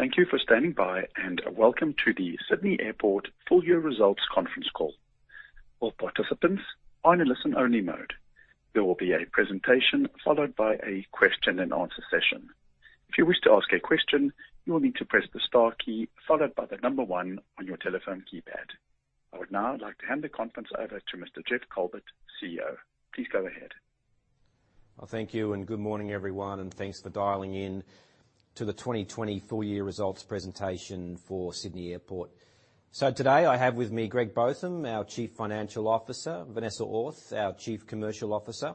Thank you for standing by, and welcome to the Sydney Airport full year results conference call. I would now like to hand the conference over to Mr. Geoff Culbert, CEO. Please go ahead. Well, thank you, and good morning, everyone, and thanks for dialing in to the 2020 full year results presentation for Sydney Airport. Today I have with me Greg Botham, our Chief Financial Officer, Vanessa Orth, our Chief Commercial Officer,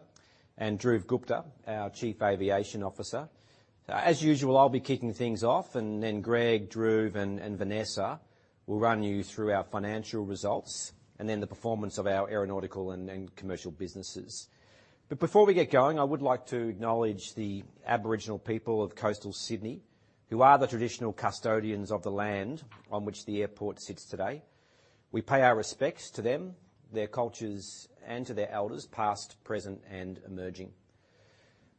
and Dhruv Gupta, our Chief Aviation Officer. As usual, I'll be kicking things off, and then Greg, Dhruv, and Vanessa will run you through our financial results and then the performance of our aeronautical and commercial businesses. Before we get going, I would like to acknowledge the Aboriginal people of coastal Sydney, who are the traditional custodians of the land on which the airport sits today. We pay our respects to them, their cultures, and to their elders past, present, and emerging.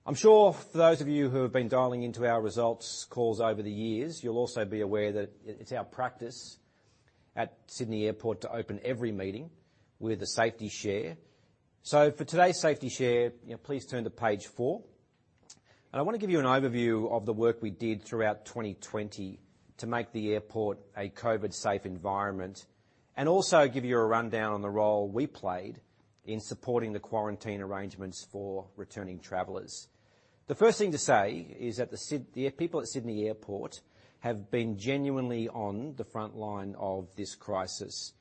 I'm sure for those of you who have been dialing into our results calls over the years, you'll also be aware that it's our practice at Sydney Airport to open every meeting with a safety share. For today's safety share, please turn to page four. I want to give you an overview of the work we did throughout 2020 to make the airport a COVID-safe environment, and also give you a rundown on the role we played in supporting the quarantine arrangements for returning travelers. The first thing to say is that the people at Sydney Airport have been genuinely on the frontline of this crisis.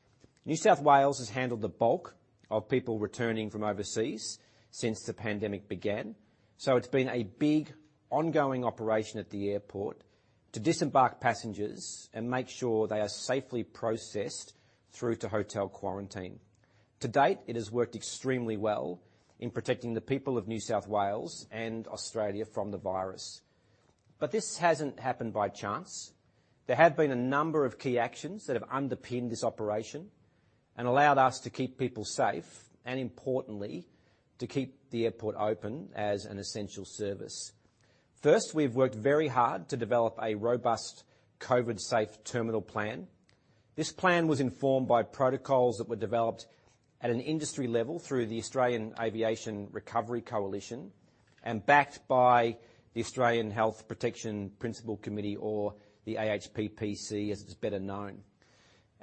New South Wales has handled the bulk of people returning from overseas since the pandemic began, it's been a big ongoing operation at the airport to disembark passengers and make sure they are safely processed through to hotel quarantine. To date, it has worked extremely well in protecting the people of New South Wales and Australia from the virus. This hasn't happened by chance. There have been a number of key actions that have underpinned this operation and allowed us to keep people safe, and importantly, to keep the airport open as an essential service. First, we've worked very hard to develop a robust COVID-safe terminal plan. This plan was informed by protocols that were developed at an industry level through the Australian Aviation Recovery Coalition and backed by the Australian Health Protection Principal Committee or the AHPPC, as it's better known.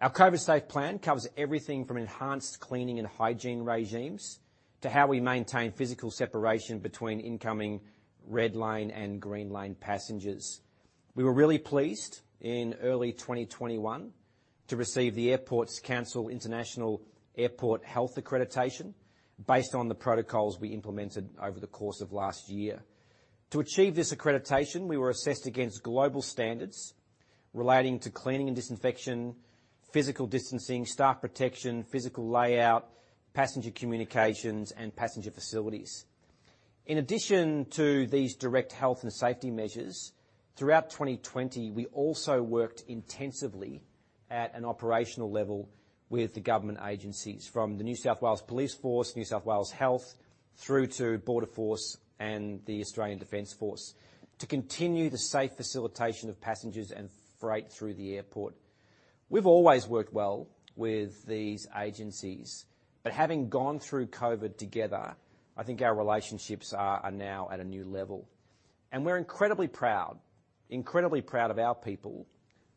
Our COVID-safe plan covers everything from enhanced cleaning and hygiene regimes to how we maintain physical separation between incoming red line and green line passengers. We were really pleased in early 2021 to receive the Airports Council International Airport Health Accreditation based on the protocols we implemented over the course of last year. To achieve this accreditation, we were assessed against global standards relating to cleaning and disinfection, physical distancing, staff protection, physical layout, passenger communications, and passenger facilities. In addition to these direct health and safety measures, throughout 2020, we also worked intensively at an operational level with the government agencies from the New South Wales Police Force, New South Wales Health, through to Border Force and the Australian Defence Force to continue the safe facilitation of passengers and freight through the airport. We've always worked well with these agencies, but having gone through COVID together, I think our relationships are now at a new level. We're incredibly proud of our people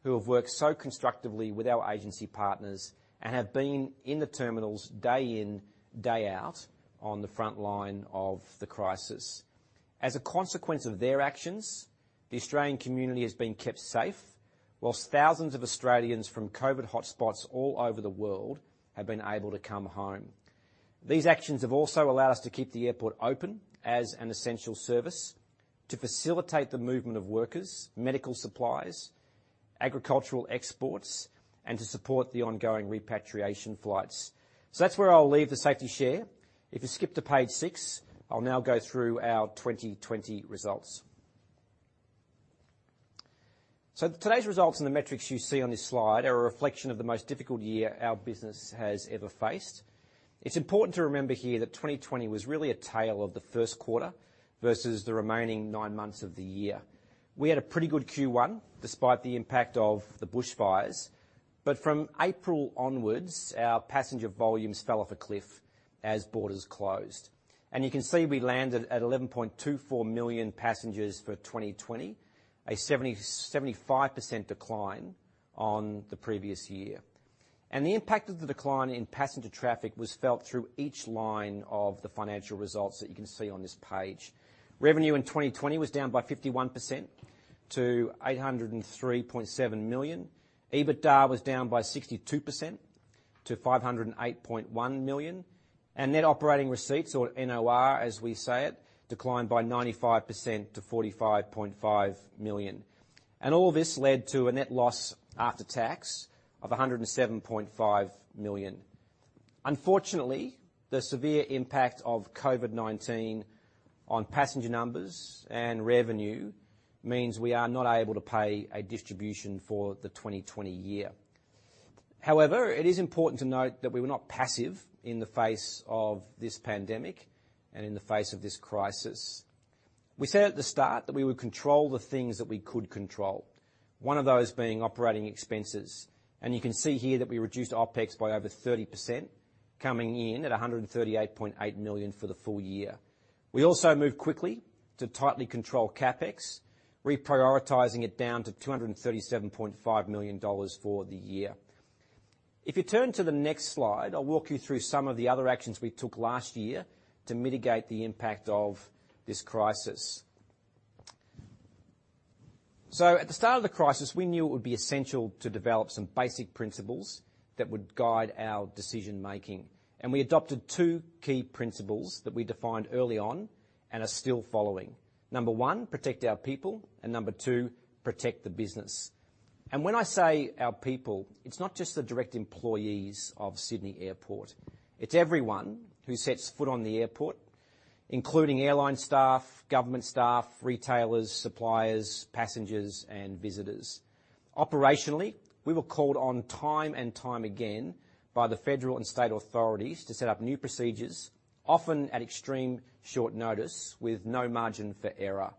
who have worked so constructively with our agency partners and have been in the terminals day in, day out, on the frontline of the crisis. As a consequence of their actions, the Australian community has been kept safe, whilst thousands of Australians from COVID hotspots all over the world have been able to come home. These actions have also allowed us to keep the airport open as an essential service to facilitate the movement of workers, medical supplies, agricultural exports, and to support the ongoing repatriation flights. That's where I'll leave the safety share. If you skip to page six, I'll now go through our 2020 results. Today's results and the metrics you see on this slide are a reflection of the most difficult year our business has ever faced. It's important to remember here that 2020 was really a tale of the first quarter versus the remaining nine months of the year. We had a pretty good Q1 despite the impact of the bushfires. From April onwards, our passenger volumes fell off a cliff as borders closed. You can see we landed at 11.24 million passengers for 2020, a 75% decline on the previous year. The impact of the decline in passenger traffic was felt through each line of the financial results that you can see on this page. Revenue in 2020 was down by 51% to 803.7 million. EBITDA was down by 62% to 508.1 million. Net operating receipts or NOR, as we say it, declined by 95% to 45.5 million. All this led to a net loss after tax of 107.5 million. Unfortunately, the severe impact of COVID-19 on passenger numbers and revenue means we are not able to pay a distribution for the 2020 year. It is important to note that we were not passive in the face of this pandemic and in the face of this crisis. We said at the start that we would control the things that we could control. One of those being operating expenses, and you can see here that we reduced OpEx by over 30%, coming in at 138.8 million for the full year. We also moved quickly to tightly control CapEx, reprioritizing it down to 237.5 million dollars for the year. If you turn to the next slide, I'll walk you through some of the other actions we took last year to mitigate the impact of this crisis. At the start of the crisis, we knew it would be essential to develop some basic principles that would guide our decision making, and we adopted two key principles that we defined early on and are still following. Number one, protect our people, and number two, protect the business. When I say our people, it's not just the direct employees of Sydney Airport. It's everyone who sets foot on the airport, including airline staff, government staff, retailers, suppliers, passengers, and visitors. Operationally, we were called on time and time again by the federal and state authorities to set up new procedures, often at extreme short notice with no margin for error.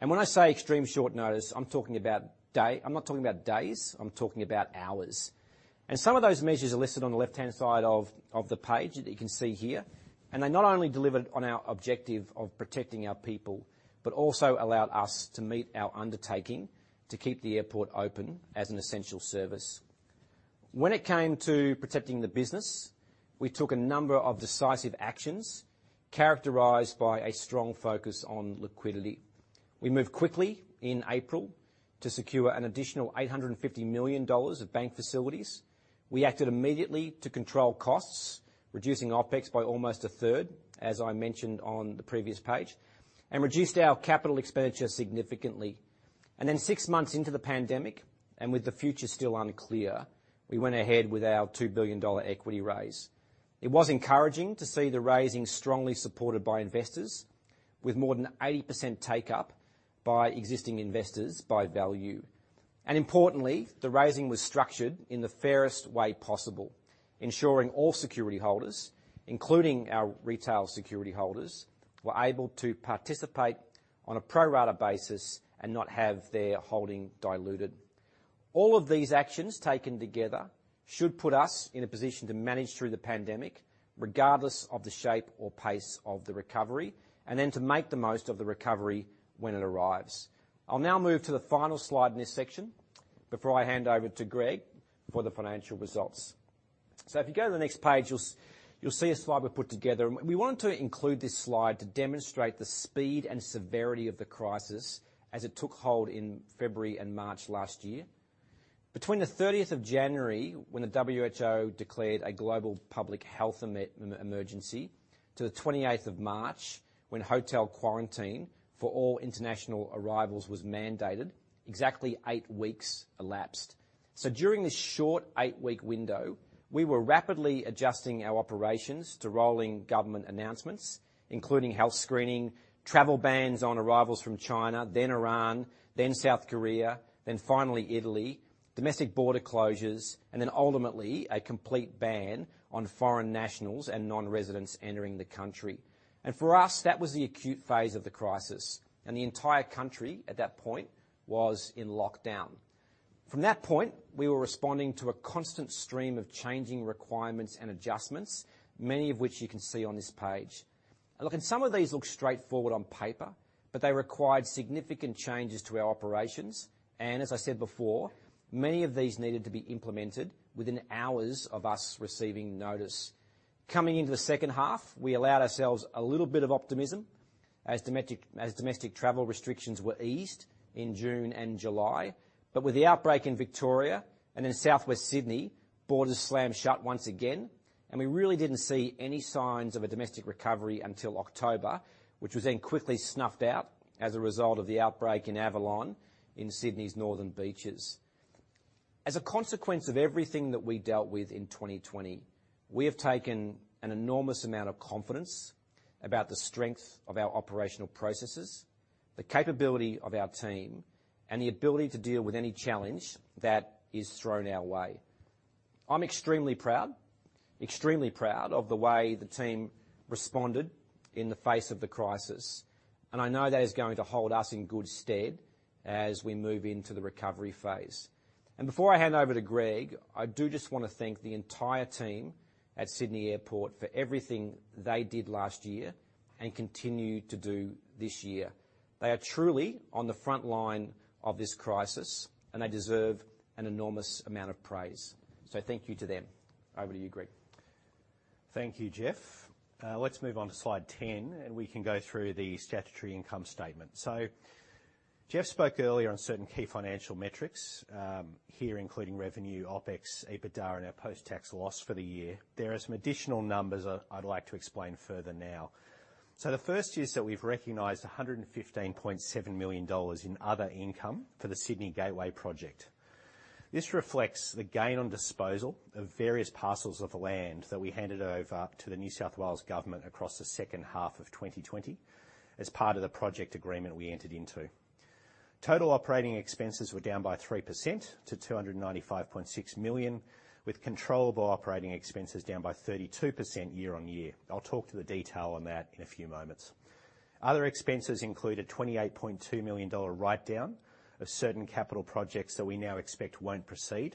When I say extreme short notice, I'm not talking about days, I'm talking about hours. Some of those measures are listed on the left-hand side of the page that you can see here. They not only delivered on our objective of protecting our people, but also allowed us to meet our undertaking to keep the airport open as an essential service. When it came to protecting the business, we took a number of decisive actions characterized by a strong focus on liquidity. We moved quickly in April to secure an additional 850 million dollars of bank facilities. We acted immediately to control costs, reducing OpEx by almost a third, as I mentioned on the previous page, and reduced our capital expenditure significantly. Six months into the pandemic, and with the future still unclear, we went ahead with our 2 billion dollar equity raise. It was encouraging to see the raising strongly supported by investors with more than 80% take-up by existing investors by value. Importantly, the raising was structured in the fairest way possible, ensuring all security holders, including our retail security holders, were able to participate on a pro rata basis and not have their holding diluted. All of these actions taken together should put us in a position to manage through the pandemic regardless of the shape or pace of the recovery, and then to make the most of the recovery when it arrives. I'll now move to the final slide in this section before I hand over to Greg for the financial results. If you go to the next page, you'll see a slide we put together, and we wanted to include this slide to demonstrate the speed and severity of the crisis as it took hold in February and March last year. Between the 30th of January, when the WHO declared a global public health emergency, to the 28th of March, when hotel quarantine for all international arrivals was mandated, exactly eight weeks elapsed. During this short eight-week window, we were rapidly adjusting our operations to rolling government announcements, including health screening, travel bans on arrivals from China, then Iran, then South Korea, then finally Italy, domestic border closures, and then ultimately, a complete ban on foreign nationals and non-residents entering the country. For us, that was the acute phase of the crisis, and the entire country at that point was in lockdown. From that point, we were responding to a constant stream of changing requirements and adjustments, many of which you can see on this page. Lookin' some of these look straightforward on paper, but they required significant changes to our operations. As I said before, many of these needed to be implemented within hours of us receiving notice. Coming into the second half, we allowed ourselves a little bit of optimism as domestic travel restrictions were eased in June and July. With the outbreak in Victoria and in Southwest Sydney, borders slammed shut once again, and we really didn't see any signs of a domestic recovery until October, which was then quickly snuffed out as a result of the outbreak in Avalon in Sydney's Northern Beaches. As a consequence of everything that we dealt with in 2020, we have taken an enormous amount of confidence about the strength of our operational processes, the capability of our team, and the ability to deal with any challenge that is thrown our way. I'm extremely proud, extremely proud of the way the team responded in the face of the crisis, and I know that is going to hold us in good stead as we move into the recovery phase. Before I hand over to Greg, I do just want to thank the entire team at Sydney Airport for everything they did last year and continue to do this year. They are truly on the front line of this crisis, and they deserve an enormous amount of praise. Thank you to them. Over to you, Greg. Thank you, Geoff. Let's move on to slide 10. We can go through the statutory income statement. Geoff spoke earlier on certain key financial metrics, here including revenue, OpEx, EBITDA, and our post-tax loss for the year. There are some additional numbers I'd like to explain further now. The first is that we've recognized 115.7 million dollars in other income for the Sydney Gateway project. This reflects the gain on disposal of various parcels of land that we handed over to the New South Wales Government across the second half of 2020 as part of the project agreement we entered into. Total operating expenses were down by 3% to 295.6 million, with controllable operating expenses down by 32% year-on-year. I'll talk to the detail on that in a few moments. Other expenses include a 28.2 million dollar write-down of certain capital projects that we now expect won't proceed.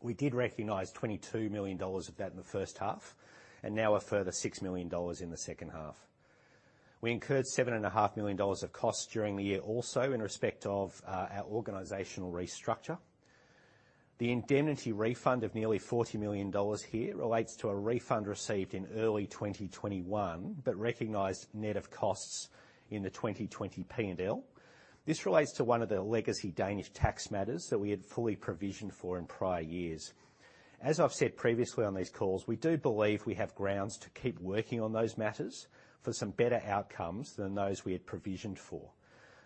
We did recognize 22 million dollars of that in the first half, now a further 6 million dollars in the second half. We incurred 7.5 million dollars of costs during the year also in respect of our organizational restructure. The indemnity refund of nearly 40 million dollars here relates to a refund received in early 2021, recognized net of costs in the 2020 P&L. This relates to one of the legacy Danish tax matters that we had fully provisioned for in prior years. As I've said previously on these calls, we do believe we have grounds to keep working on those matters for some better outcomes than those we had provisioned for.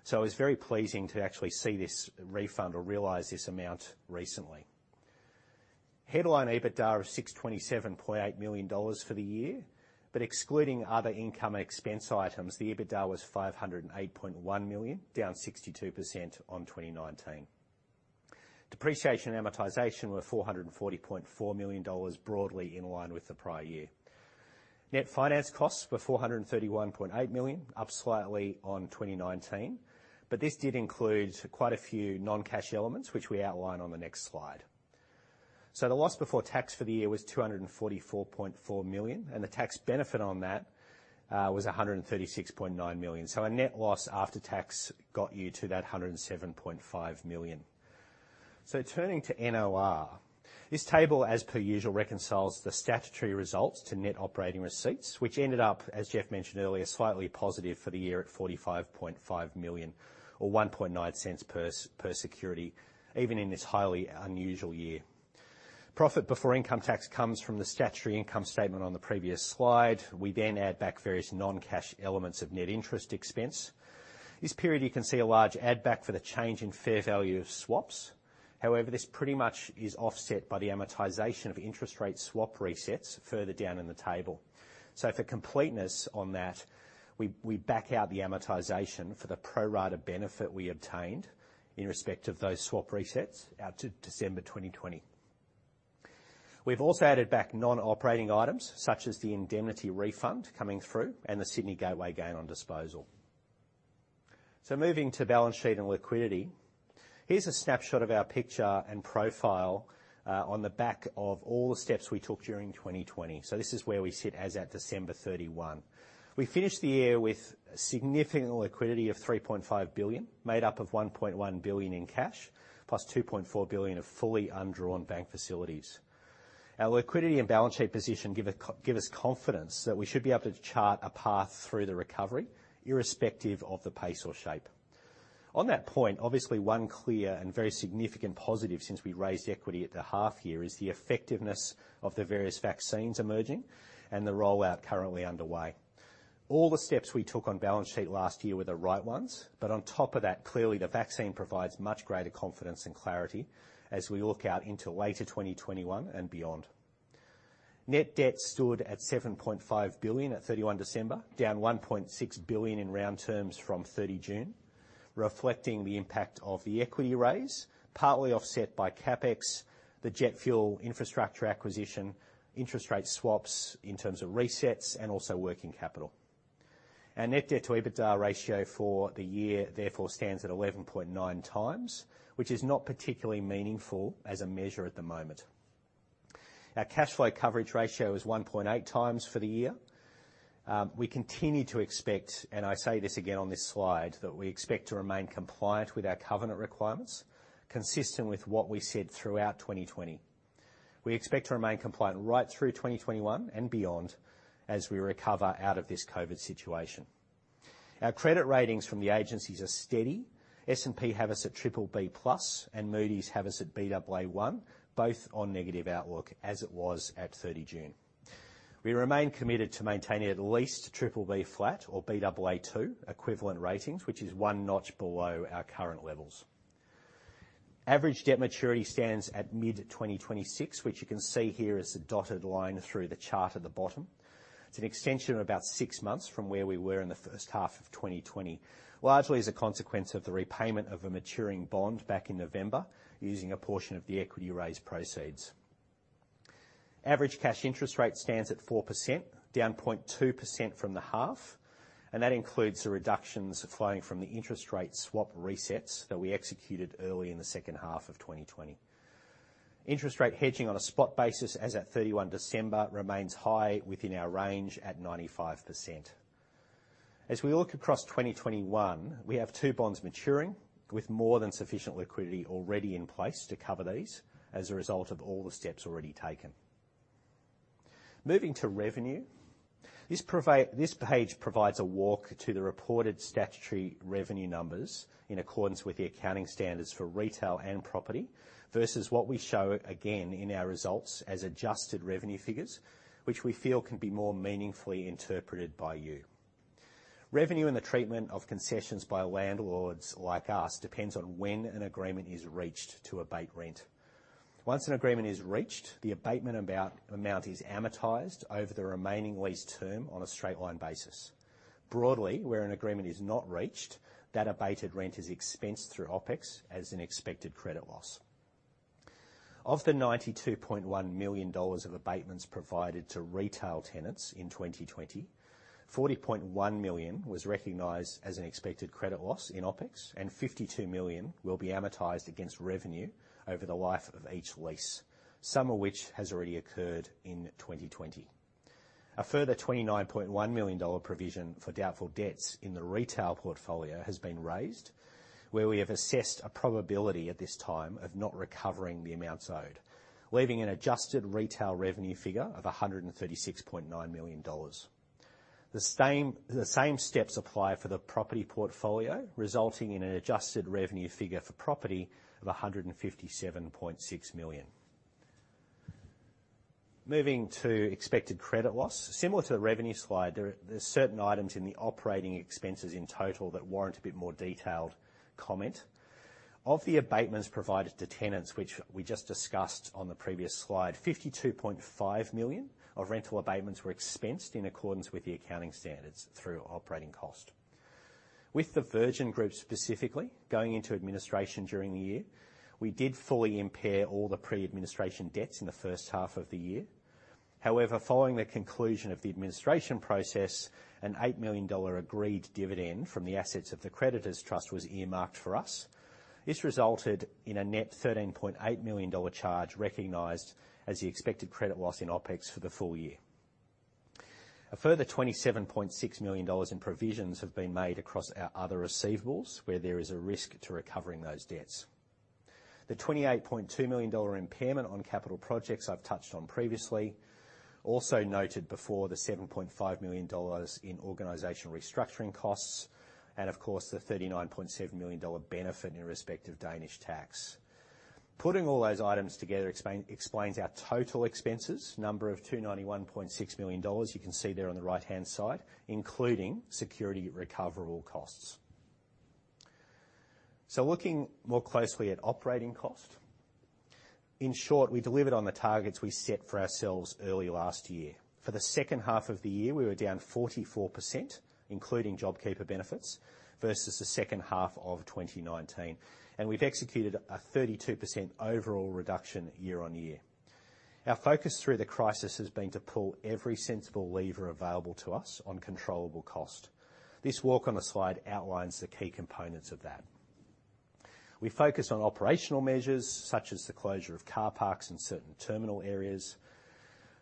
It's very pleasing to actually see this refund or realize this amount recently. Headline EBITDA of 627.8 million dollars for the year, excluding other income expense items, the EBITDA was 508.1 million, down 62% on 2019. Depreciation and amortization were 440.4 million dollars, broadly in line with the prior year. Net finance costs were 431.8 million, up slightly on 2019. This did include quite a few non-cash elements, which we outline on the next slide. The loss before tax for the year was 244.4 million, and the tax benefit on that was 136.9 million. A net loss after tax got you to that 107.5 million. Turning to NOR. This table, as per usual, reconciles the statutory results to net operating receipts, which ended up, as Geoff mentioned earlier, slightly positive for the year at 45.5 million or 0.019 per security, even in this highly unusual year. Profit before income tax comes from the statutory income statement on the previous slide. We add back various non-cash elements of net interest expense. This period, you can see a large add back for the change in fair value of swaps. This pretty much is offset by the amortization of interest rate swap resets further down in the table. For completeness on that, we back out the amortization for the pro rata benefit we obtained in respect of those swap resets out to December 2020. We've also added back non-operating items such as the indemnity refund coming through and the Sydney Gateway gain on disposal. Moving to balance sheet and liquidity. Here's a snapshot of our picture and profile on the back of all the steps we took during 2020. This is where we sit as at December 31. We finished the year with significant liquidity of 3.5 billion, made up of 1.1 billion in cash, +2.4 billion of fully undrawn bank facilities. Our liquidity and balance sheet position give us confidence that we should be able to chart a path through the recovery, irrespective of the pace or shape. On that point, obviously one clear and very significant positive since we raised equity at the half year is the effectiveness of the various vaccines emerging and the rollout currently underway. All the steps we took on balance sheet last year were the right ones, but on top of that, clearly the vaccine provides much greater confidence and clarity as we look out into later 2021 and beyond. Net debt stood at 7.5 billion at 31 December, down 1.6 billion in round terms from 30 June, reflecting the impact of the equity raise, partly offset by CapEx, the jet fuel infrastructure acquisition, interest rate swaps in terms of resets, and also working capital. Our net debt to EBITDA ratio for the year therefore stands at 11.9x, which is not particularly meaningful as a measure at the moment. Our cash flow coverage ratio is 1.8x for the year. We continue to expect, and I say this again on this slide, that we expect to remain compliant with our covenant requirements, consistent with what we said throughout 2020. We expect to remain compliant right through 2021 and beyond as we recover out of this COVID situation. Our credit ratings from the agencies are steady. S&P have us at BBB+ and Moody's have us at Baa1, both on negative outlook as it was at 30 June. We remain committed to maintaining at least BBB or Baa2 equivalent ratings, which is one notch below our current levels. Average debt maturity stands at mid-2026, which you can see here is the dotted line through the chart at the bottom. It's an extension of about six months from where we were in the first half of 2020, largely as a consequence of the repayment of a maturing bond back in November using a portion of the equity raise proceeds. Average cash interest rate stands at 4%, down 0.2% from the half, and that includes the reductions flowing from the interest rate swap resets that we executed early in the second half of 2020. Interest rate hedging on a spot basis as at 31 December remains high within our range at 95%. As we look across 2021, we have two bonds maturing with more than sufficient liquidity already in place to cover these as a result of all the steps already taken. Moving to revenue. This page provides a walk to the reported statutory revenue numbers in accordance with the accounting standards for retail and property versus what we show again in our results as adjusted revenue figures, which we feel can be more meaningfully interpreted by you. Revenue and the treatment of concessions by landlords like us depends on when an agreement is reached to abate rent. Once an agreement is reached, the abatement amount is amortized over the remaining lease term on a straight line basis. Broadly, where an agreement is not reached, that abated rent is expensed through OpEx as an expected credit loss. Of the 92.1 million dollars of abatements provided to retail tenants in 2020, 40.1 million was recognized as an expected credit loss in OpEx, and 52 million will be amortized against revenue over the life of each lease, some of which has already occurred in 2020. A further AUD 29.1 million provision for doubtful debts in the retail portfolio has been raised, where we have assessed a probability at this time of not recovering the amounts owed, leaving an adjusted retail revenue figure of 136.9 million dollars. The same steps apply for the property portfolio, resulting in an adjusted revenue figure for property of 157.6 million. Moving to expected credit loss. Similar to the revenue slide, there's certain items in the operating expenses in total that warrant a bit more detailed comment. Of the abatements provided to tenants, which we just discussed on the previous slide, 52.5 million of rental abatements were expensed in accordance with the accounting standards through operating cost. With the Virgin Group specifically going into administration during the year, we did fully impair all the pre-administration debts in the first half of the year. Following the conclusion of the administration process, an 8 million dollar agreed dividend from the assets of the creditors trust was earmarked for us. This resulted in a net AUD 13.8 million charge recognized as the expected credit loss in OpEx for the full year. A further 27.6 million dollars in provisions have been made across our other receivables where there is a risk to recovering those debts. The 28.2 million dollar impairment on capital projects I've touched on previously, also noted before the 7.5 million dollars in organizational restructuring costs, and of course, the 39.7 million dollar benefit in respect of Danish tax. Putting all those items together explains our total expenses, number of 291.6 million dollars you can see there on the right-hand side, including security recoverable costs. Looking more closely at operating cost. In short, we delivered on the targets we set for ourselves early last year. For the second half of the year, we were down 44%, including JobKeeper benefits, versus the second half of 2019, and we've executed a 32% overall reduction year-on-year. Our focus through the crisis has been to pull every sensible lever available to us on controllable cost. This walk on the slide outlines the key components of that. We focused on operational measures, such as the closure of car parks in certain terminal areas.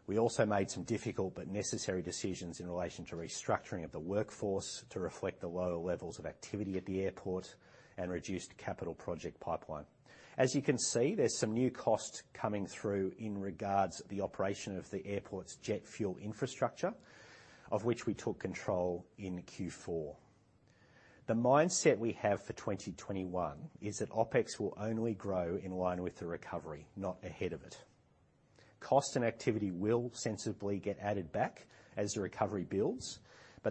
We also made some difficult but necessary decisions in relation to restructuring of the workforce to reflect the lower levels of activity at the airport and reduced capital project pipeline. As you can see, there's some new costs coming through in regards to the operation of the airport's jet fuel infrastructure, of which we took control in Q4. The mindset we have for 2021 is that OpEx will only grow in line with the recovery, not ahead of it. Cost and activity will sensibly get added back as the recovery builds,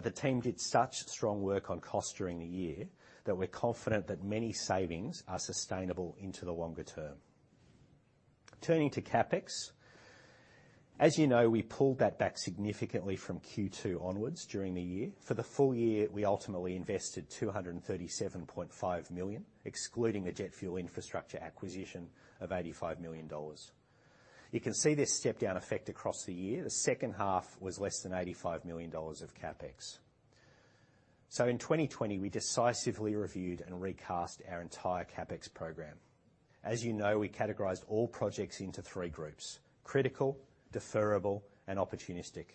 the team did such strong work on cost during the year that we're confident that many savings are sustainable into the longer term. Turning to CapEx. As you know, we pulled that back significantly from Q2 onwards during the year. For the full year, we ultimately invested 237.5 million, excluding the jet fuel infrastructure acquisition of 85 million dollars. You can see this step-down effect across the year. The second half was less than 85 million dollars of CapEx. In 2020, we decisively reviewed and recast our entire CapEx program. As you know, we categorized all projects into three groups: critical, deferrable, and opportunistic.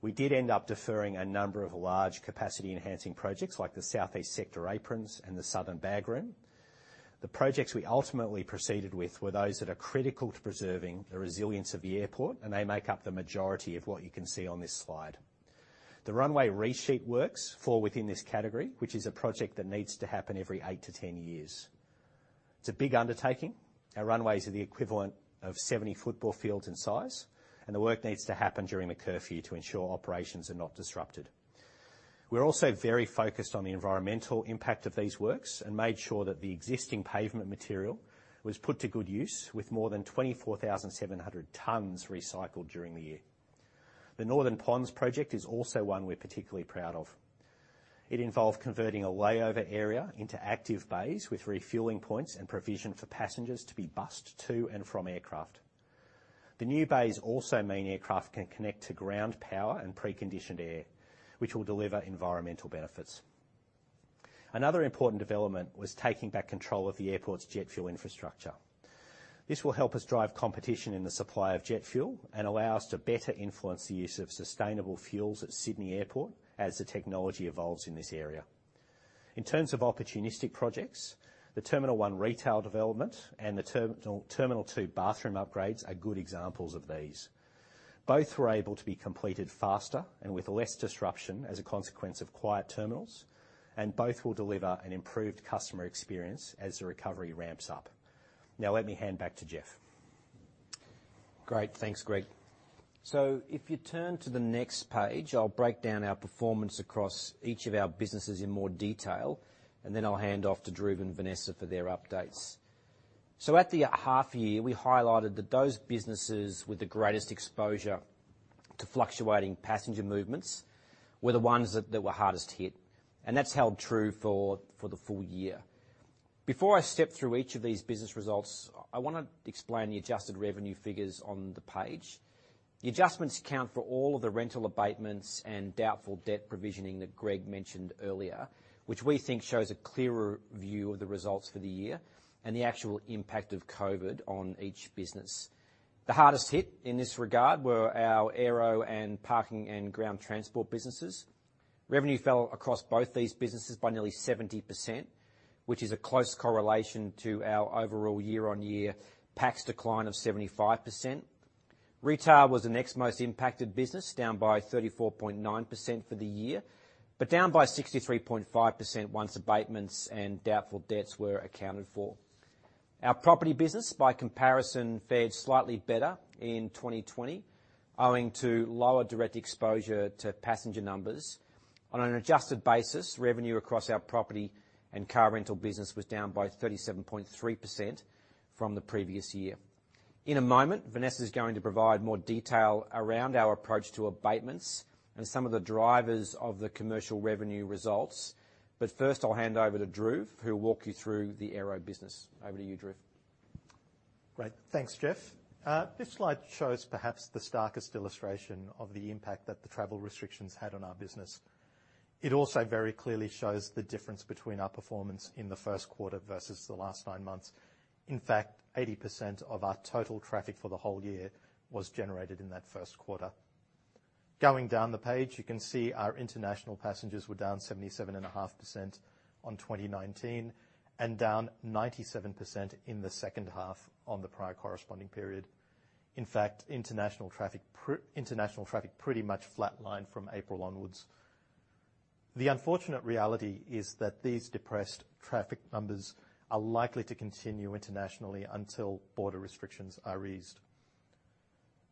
We did end up deferring a number of large capacity-enhancing projects like the southeast sector aprons and the southern bag room. The projects we ultimately proceeded with were those that are critical to preserving the resilience of the airport, and they make up the majority of what you can see on this slide. The runway resheet works fall within this category, which is a project that needs to happen every eight to 10 years. It's a big undertaking. Our runways are the equivalent of 70 football fields in size, and the work needs to happen during the curfew to ensure operations are not disrupted. We're also very focused on the environmental impact of these works and made sure that the existing pavement material was put to good use, with more than 24,700 tons recycled during the year. The Northern Ponds project is also one we're particularly proud of. It involved converting a layover area into active bays with refueling points and provision for passengers to be bused to and from aircraft. The new bays also mean aircraft can connect to ground power and preconditioned air, which will deliver environmental benefits. Another important development was taking back control of the airport's jet fuel infrastructure. This will help us drive competition in the supply of jet fuel and allow us to better influence the use of sustainable fuels at Sydney Airport as the technology evolves in this area. In terms of opportunistic projects, the Terminal 1 retail development and the Terminal 2 bathroom upgrades are good examples of these. Both were able to be completed faster and with less disruption as a consequence of quiet terminals, and both will deliver an improved customer experience as the recovery ramps up. Now, let me hand back to Geoff. Great. Thanks, Greg. If you turn to the next page, I'll break down our performance across each of our businesses in more detail, and then I'll hand off to Dhruv and Vanessa for their updates. At the half year, we highlighted that those businesses with the greatest exposure to fluctuating passenger movements were the ones that were hardest hit, and that's held true for the full year. Before I step through each of these business results, I want to explain the adjusted revenue figures on the page. The adjustments account for all of the rental abatements and doubtful debt provisioning that Greg mentioned earlier, which we think shows a clearer view of the results for the year and the actual impact of COVID-19 on each business. The hardest hit in this regard were our aero and parking and ground transport businesses. Revenue fell across both these businesses by nearly 70%, which is a close correlation to our overall year-on-year PAX decline of 75%. Retail was the next most impacted business, down by 34.9% for the year. Down by 63.5% once abatements and doubtful debts were accounted for. Our property business, by comparison, fared slightly better in 2020 owing to lower direct exposure to passenger numbers. On an adjusted basis, revenue across our property and car rental business was down by 37.3% from the previous year. In a moment, Vanessa is going to provide more detail around our approach to abatements and some of the drivers of the commercial revenue results. First, I'll hand over to Dhruv, who will walk you through the aero business. Over to you, Dhruv. Great. Thanks, Geoff. This slide shows perhaps the starkest illustration of the impact that the travel restrictions had on our business. It also very clearly shows the difference between our performance in the first quarter versus the last nine months. 80% of our total traffic for the whole year was generated in that first quarter. Going down the page, you can see our international passengers were down 77.5% on 2019 and down 97% in the second half on the prior corresponding period. International traffic pretty much flatlined from April onwards. The unfortunate reality is that these depressed traffic numbers are likely to continue internationally until border restrictions are eased.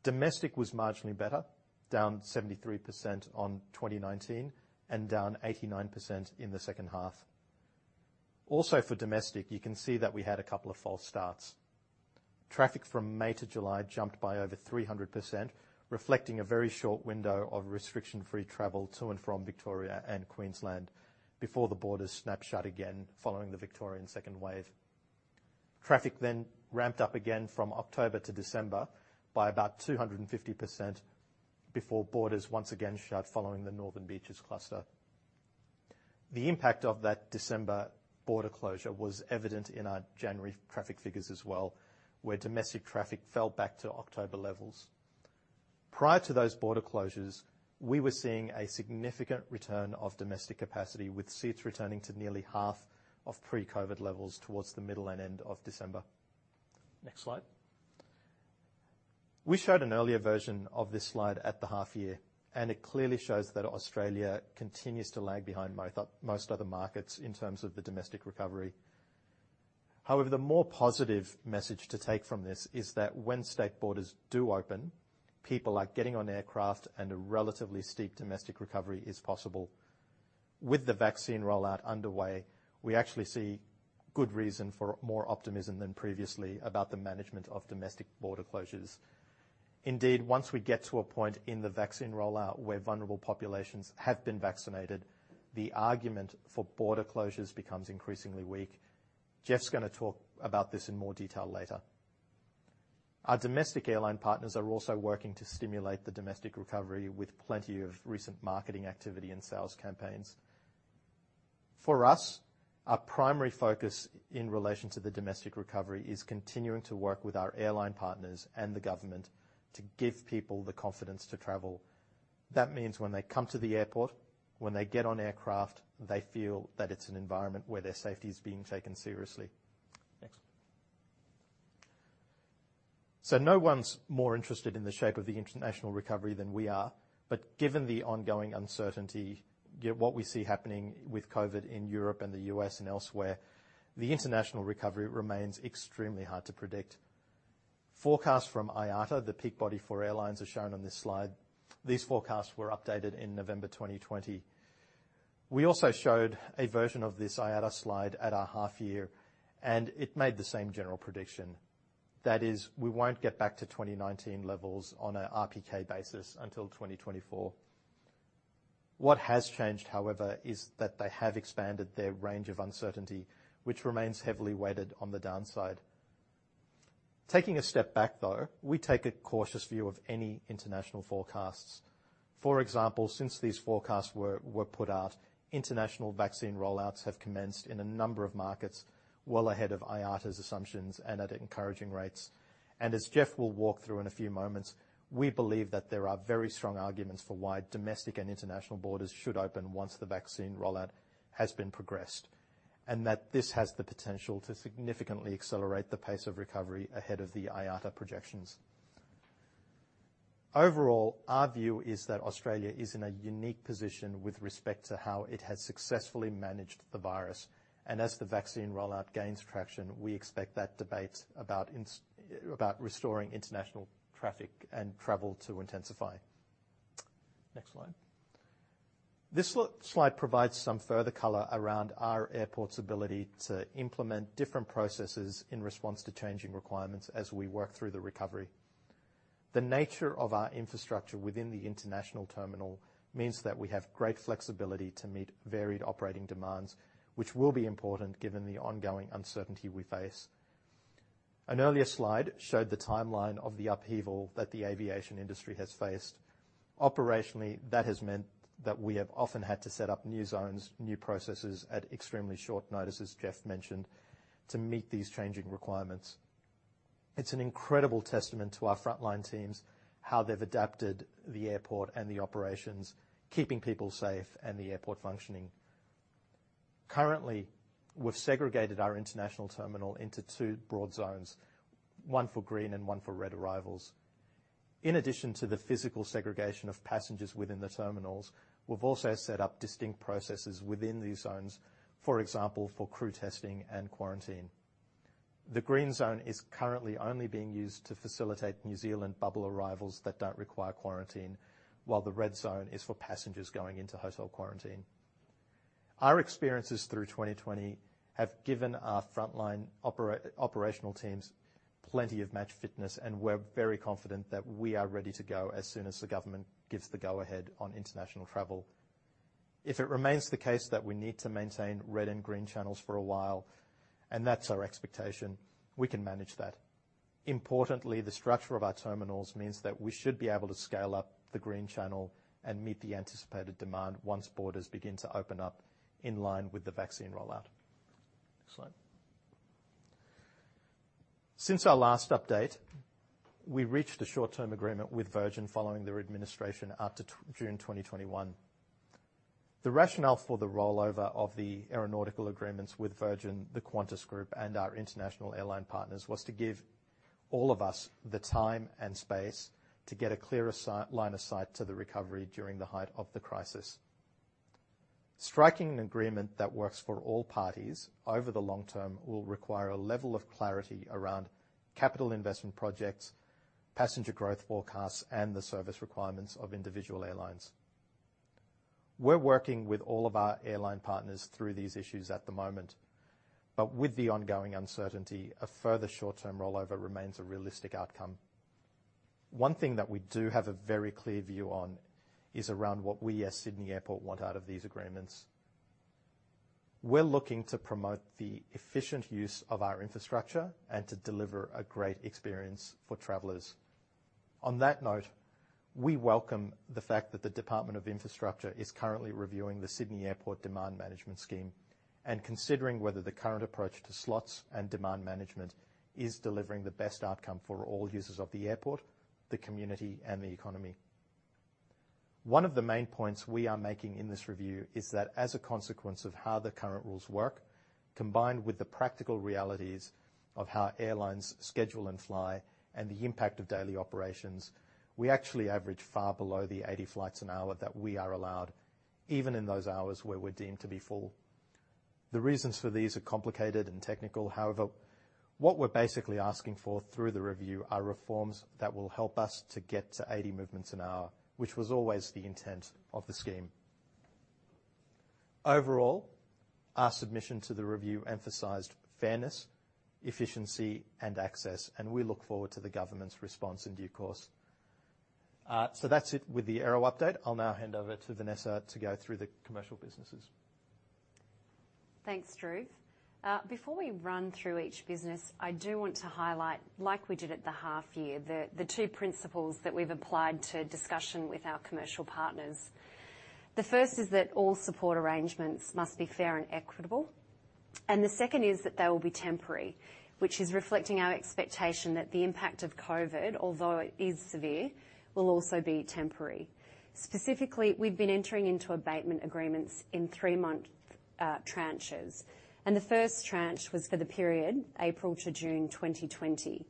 Domestic was marginally better, down 73% on 2019 and down 89% in the second half. For domestic, you can see that we had a couple of false starts. Traffic from May to July jumped by over 300%, reflecting a very short window of restriction-free travel to and from Victoria and Queensland before the borders snapped shut again following the Victorian second wave. Traffic then ramped up again from October to December by about 250% before borders once again shut following the Northern Beaches cluster. The impact of that December border closure was evident in our January traffic figures as well, where domestic traffic fell back to October levels. Prior to those border closures, we were seeing a significant return of domestic capacity, with seats returning to nearly half of pre-COVID levels towards the middle and end of December. Next slide. We showed an earlier version of this slide at the half year, and it clearly shows that Australia continues to lag behind most other markets in terms of the domestic recovery. However, the more positive message to take from this is that when state borders do open, people are getting on aircraft and a relatively steep domestic recovery is possible. With the vaccine rollout underway, we actually see good reason for more optimism than previously about the management of domestic border closures. Indeed, once we get to a point in the vaccine rollout where vulnerable populations have been vaccinated, the argument for border closures becomes increasingly weak. Geoff's going to talk about this in more detail later. Our domestic airline partners are also working to stimulate the domestic recovery with plenty of recent marketing activity and sales campaigns. For us, our primary focus in relation to the domestic recovery is continuing to work with our airline partners and the government to give people the confidence to travel. That means when they come to the airport, when they get on aircraft, they feel that it's an environment where their safety is being taken seriously. Next. No one's more interested in the shape of the international recovery than we are, but given the ongoing uncertainty, what we see happening with COVID in Europe and the U.S. and elsewhere, the international recovery remains extremely hard to predict. Forecasts from IATA, the peak body for airlines, are shown on this slide. These forecasts were updated in November 2020. We also showed a version of this IATA slide at our half year, and it made the same general prediction. That is, we won't get back to 2019 levels on an RPK basis until 2024. What has changed, however, is that they have expanded their range of uncertainty, which remains heavily weighted on the downside. Taking a step back, though, we take a cautious view of any international forecasts. For example, since these forecasts were put out, international vaccine rollouts have commenced in a number of markets well ahead of IATA's assumptions and at encouraging rates. As Geoff will walk through in a few moments, we believe that there are very strong arguments for why domestic and international borders should open once the vaccine rollout has been progressed, and that this has the potential to significantly accelerate the pace of recovery ahead of the IATA projections. Overall, our view is that Australia is in a unique position with respect to how it has successfully managed the virus. As the vaccine rollout gains traction, we expect that debate about restoring international traffic and travel to intensify. Next slide. This slide provides some further color around our airport's ability to implement different processes in response to changing requirements as we work through the recovery. The nature of our infrastructure within the international terminal means that we have great flexibility to meet varied operating demands, which will be important given the ongoing uncertainty we face. An earlier slide showed the timeline of the upheaval that the aviation industry has faced. Operationally, that has meant that we have often had to set up new zones, new processes at extremely short notice, as Geoff mentioned, to meet these changing requirements. It's an incredible testament to our frontline teams, how they've adapted the airport and the operations, keeping people safe and the airport functioning. Currently, we've segregated our international terminal into two broad zones, one for green and one for red arrivals. In addition to the physical segregation of passengers within the terminals, we've also set up distinct processes within these zones, for example, for crew testing and quarantine. The green zone is currently only being used to facilitate New Zealand bubble arrivals that don't require quarantine, while the red zone is for passengers going into hotel quarantine. Our experiences through 2020 have given our frontline operational teams plenty of match fitness, and we're very confident that we are ready to go as soon as the government gives the go ahead on international travel. If it remains the case that we need to maintain red and green channels for a while, and that's our expectation, we can manage that. Importantly, the structure of our terminals means that we should be able to scale up the green channel and meet the anticipated demand once borders begin to open up in line with the vaccine rollout. Next slide. Since our last update, we reached a short-term agreement with Virgin following their administration out to June 2021. The rationale for the rollover of the aeronautical agreements with Virgin, the Qantas Group, and our international airline partners was to give all of us the time and space to get a clearer line of sight to the recovery during the height of the crisis. Striking an agreement that works for all parties over the long term will require a level of clarity around capital investment projects, passenger growth forecasts, and the service requirements of individual airlines. We're working with all of our airline partners through these issues at the moment, but with the ongoing uncertainty, a further short-term rollover remains a realistic outcome. One thing that we do have a very clear view on is around what we as Sydney Airport want out of these agreements. We're looking to promote the efficient use of our infrastructure and to deliver a great experience for travelers. On that note, we welcome the fact that the Department of Infrastructure is currently reviewing the Sydney Airport Demand Management Scheme and considering whether the current approach to slots and demand management is delivering the best outcome for all users of the airport, the community, and the economy. One of the main points we are making in this review is that as a consequence of how the current rules work, combined with the practical realities of how airlines schedule and fly and the impact of daily operations, we actually average far below the 80 flights an hour that we are allowed, even in those hours where we're deemed to be full. The reasons for these are complicated and technical, however, what we're basically asking for through the review are reforms that will help us to get to 80 movements an hour, which was always the intent of the scheme. Overall, our submission to the review emphasized fairness, efficiency, and access, and we look forward to the government's response in due course. That's it with the aero update. I'll now hand over to Vanessa to go through the commercial businesses. Thanks, Dhruv. Before we run through each business, I do want to highlight, like we did at the half year, the two principles that we've applied to discussion with our commercial partners. The first is that all support arrangements must be fair and equitable. The second is that they will be temporary, which is reflecting our expectation that the impact of COVID, although it is severe, will also be temporary. Specifically, we've been entering into abatement agreements in three-month tranches. The first tranche was for the period April to June 2020.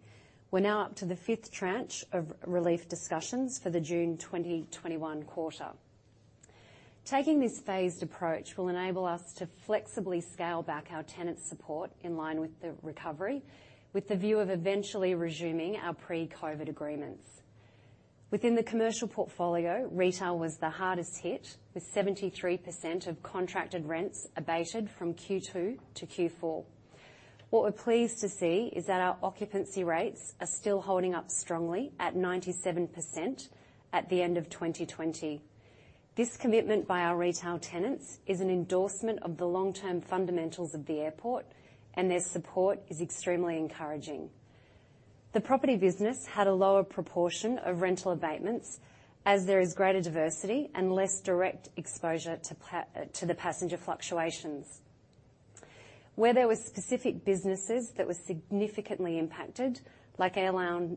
We're now up to the fifth tranche of relief discussions for the June 2021 quarter. Taking this phased approach will enable us to flexibly scale back our tenant support in line with the recovery, with the view of eventually resuming our pre-COVID agreements. Within the commercial portfolio, retail was the hardest hit, with 73% of contracted rents abated from Q2 to Q4. What we're pleased to see is that our occupancy rates are still holding up strongly at 97% at the end of 2020. This commitment by our retail tenants is an endorsement of the long-term fundamentals of the airport, and their support is extremely encouraging. The property business had a lower proportion of rental abatements, as there is greater diversity and less direct exposure to the passenger fluctuations. Where there were specific businesses that were significantly impacted, like airline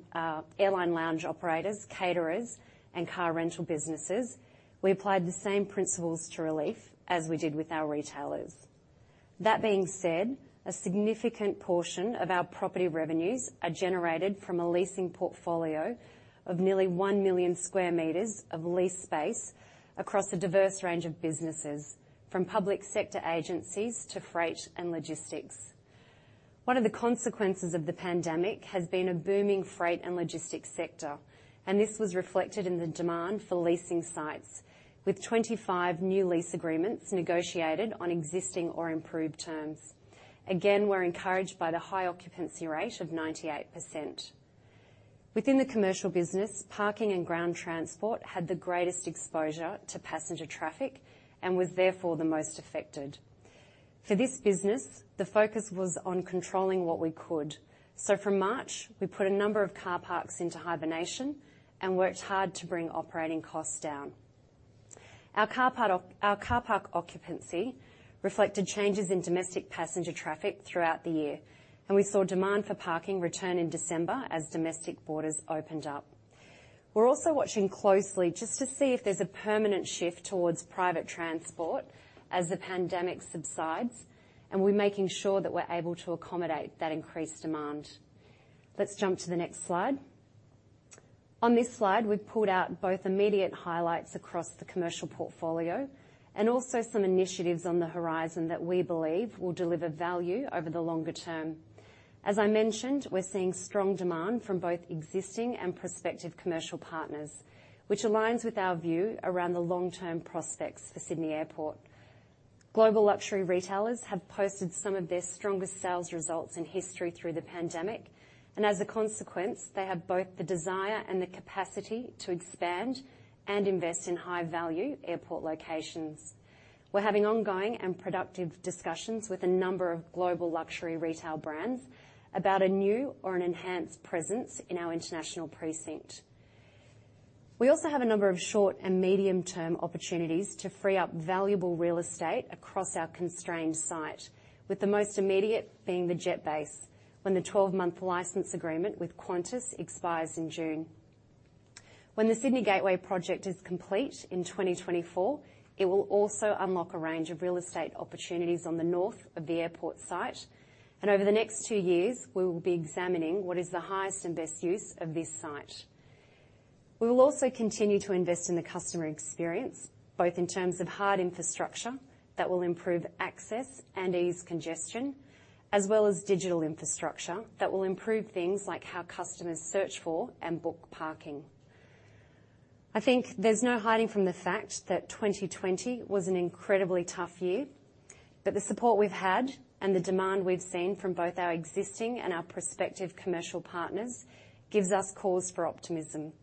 lounge operators, caterers, and car rental businesses, we applied the same principles to relief as we did with our retailers. That being said, a significant portion of our property revenues are generated from a leasing portfolio of nearly 1 million sq m of leased space across a diverse range of businesses, from public sector agencies to freight and logistics. This was reflected in the demand for leasing sites, with 25 new lease agreements negotiated on existing or improved terms. Again, we're encouraged by the high occupancy rate of 98%. Within the commercial business, parking and ground transport had the greatest exposure to passenger traffic and was therefore the most affected. For this business, the focus was on controlling what we could. For March, we put a number of car parks into hibernation and worked hard to bring operating costs down. Our car park occupancy reflected changes in domestic passenger traffic throughout the year, and we saw demand for parking return in December as domestic borders opened up. We're also watching closely just to see if there's a permanent shift towards private transport as the pandemic subsides, and we're making sure that we're able to accommodate that increased demand. Let's jump to the next slide. On this slide, we've pulled out both immediate highlights across the commercial portfolio and also some initiatives on the horizon that we believe will deliver value over the longer term. As I mentioned, we're seeing strong demand from both existing and prospective commercial partners, which aligns with our view around the long-term prospects for Sydney Airport. Global luxury retailers have posted some of their strongest sales results in history through the pandemic, and as a consequence, they have both the desire and the capacity to expand and invest in high-value airport locations. We're having ongoing and productive discussions with a number of global luxury retail brands about a new or an enhanced presence in our international precinct. We also have a number of short and medium-term opportunities to free up valuable real estate across our constrained site, with the most immediate being the jet base when the 12-month license agreement with Qantas expires in June. When the Sydney Gateway project is complete in 2024, it will also unlock a range of real estate opportunities on the north of the airport site, and over the next two years, we will be examining what is the highest and best use of this site. We will also continue to invest in the customer experience, both in terms of hard infrastructure that will improve access and ease congestion, as well as digital infrastructure that will improve things like how customers search for and book parking. I think there's no hiding from the fact that 2020 was an incredibly tough year, but the support we've had and the demand we've seen from both our existing and our prospective commercial partners gives us cause for optimism.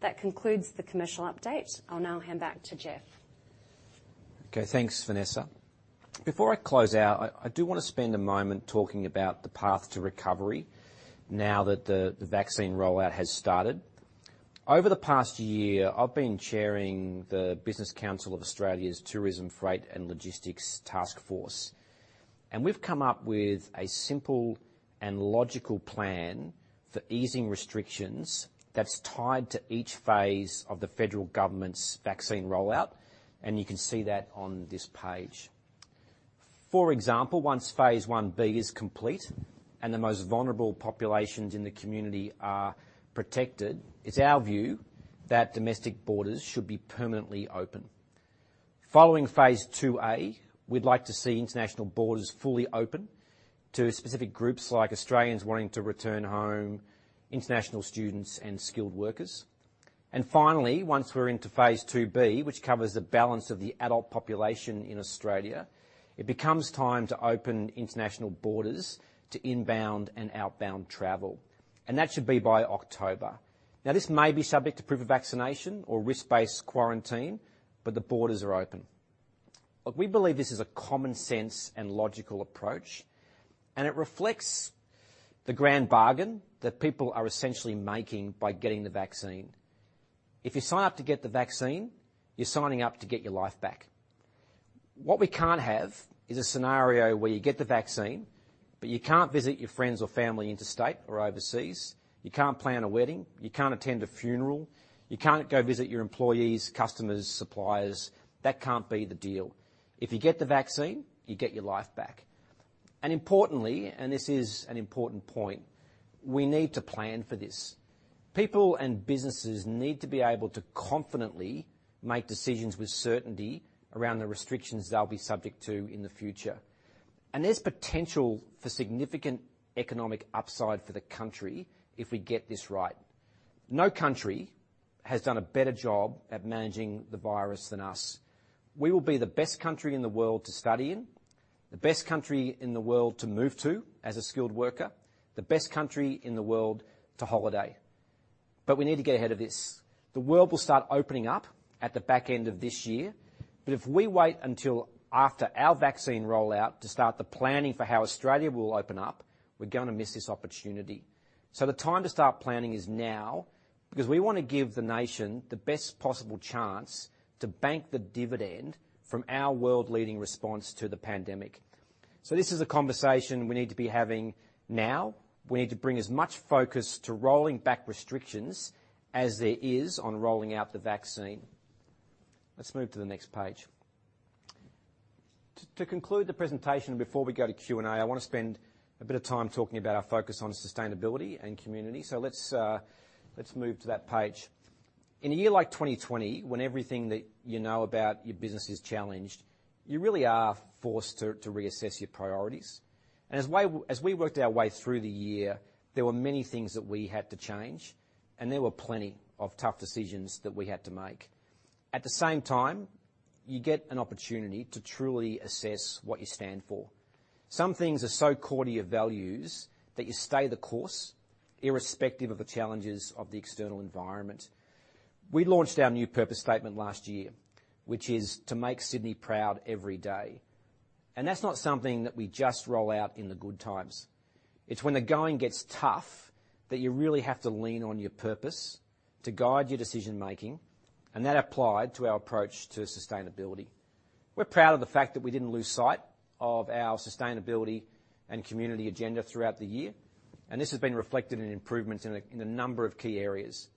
That concludes the commercial update. I'll now hand back to Geoff. Okay. Thanks, Vanessa. Before I close out, I do want to spend a moment talking about the path to recovery now that the vaccine rollout has started. Over the past year, I've been chairing the Business Council of Australia's Tourism, Freight, and Logistics Task Force, and we've come up with a simple and logical plan for easing restrictions that's tied to each phase of the federal government's vaccine rollout, and you can see that on this page. For example, once Phase 1b is complete and the most vulnerable populations in the community are protected, it's our view that domestic borders should be permanently open. Following Phase 2a we'd like to see international borders fully open to specific groups like Australians wanting to return home, international students, and skilled workers. Finally, once we're into Phase 2b, which covers the balance of the adult population in Australia, it becomes time to open international borders to inbound and outbound travel, and that should be by October. This may be subject to proof of vaccination or risk-based quarantine, but the borders are open. We believe this is a common sense and logical approach, and it reflects the grand bargain that people are essentially making by getting the vaccine. If you sign up to get the vaccine, you're signing up to get your life back. We can't have is a scenario where you get the vaccine, but you can't visit your friends or family interstate or overseas. You can't plan a wedding. You can't attend a funeral. You can't go visit your employees, customers, suppliers. That can't be the deal. If you get the vaccine, you get your life back. Importantly, and this is an important point, we need to plan for this. People and businesses need to be able to confidently make decisions with certainty around the restrictions they'll be subject to in the future. There's potential for significant economic upside for the country if we get this right. No country has done a better job at managing the virus than us. We will be the best country in the world to study in, the best country in the world to move to as a skilled worker, the best country in the world to holiday. We need to get ahead of this. The world will start opening up at the back end of this year. If we wait until after our vaccine rollout to start the planning for how Australia will open up, we're going to miss this opportunity. The time to start planning is now, because we want to give the nation the best possible chance to bank the dividend from our world-leading response to the pandemic. This is a conversation we need to be having now. We need to bring as much focus to rolling back restrictions as there is on rolling out the vaccine. Let's move to the next page. To conclude the presentation before we go to Q&A, I want to spend a bit of time talking about our focus on sustainability and community. Let's move to that page. In a year like 2020, when everything that you know about your business is challenged, you really are forced to reassess your priorities. As we worked our way through the year, there were many things that we had to change, and there were plenty of tough decisions that we had to make. At the same time, you get an opportunity to truly assess what you stand for. Some things are so core to your values that you stay the course, irrespective of the challenges of the external environment. We launched our new purpose statement last year, which is to make Sydney proud every day. That's not something that we just roll out in the good times. It's when the going gets tough that you really have to lean on your purpose to guide your decision-making, and that applied to our approach to sustainability. We're proud of the fact that we didn't lose sight of our sustainability and community agenda throughout the year, and this has been reflected in improvements in a number of key areas.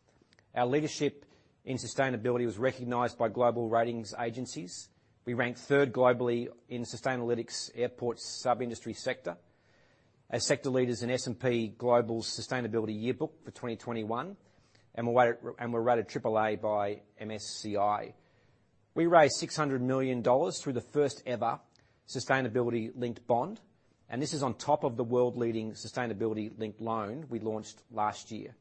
Our leadership in sustainability was recognized by global ratings agencies. We ranked third globally in Sustainalytics Airport sub-industry sector as sector leaders in S&P Global Sustainability Yearbook for 2021. We're rated AAA by MSCI. We raised 600 million dollars through the first ever sustainability linked bond. This is on top of the world leading sustainability linked loan we launched last year.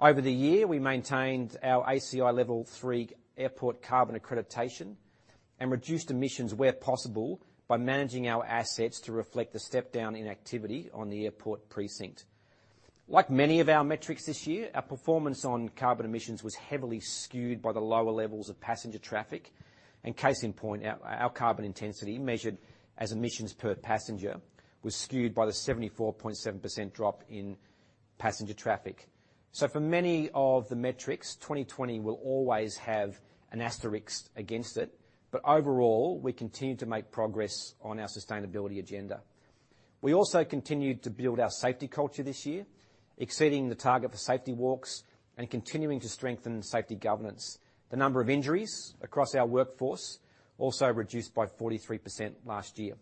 Over the year, we maintained our ACI Level 3 Airport Carbon Accreditation and reduced emissions where possible by managing our assets to reflect the step down in activity on the airport precinct. Like many of our metrics this year, our performance on carbon emissions was heavily skewed by the lower levels of passenger traffic. Case in point, our carbon intensity measured as emissions per passenger was skewed by the 74.7% drop in passenger traffic. For many of the metrics, 2020 will always have an asterisk against it. Overall, we continued to make progress on our sustainability agenda. We also continued to build our safety culture this year, exceeding the target for safety walks and continuing to strengthen safety governance. The number of injuries across our workforce also reduced by 43% last year.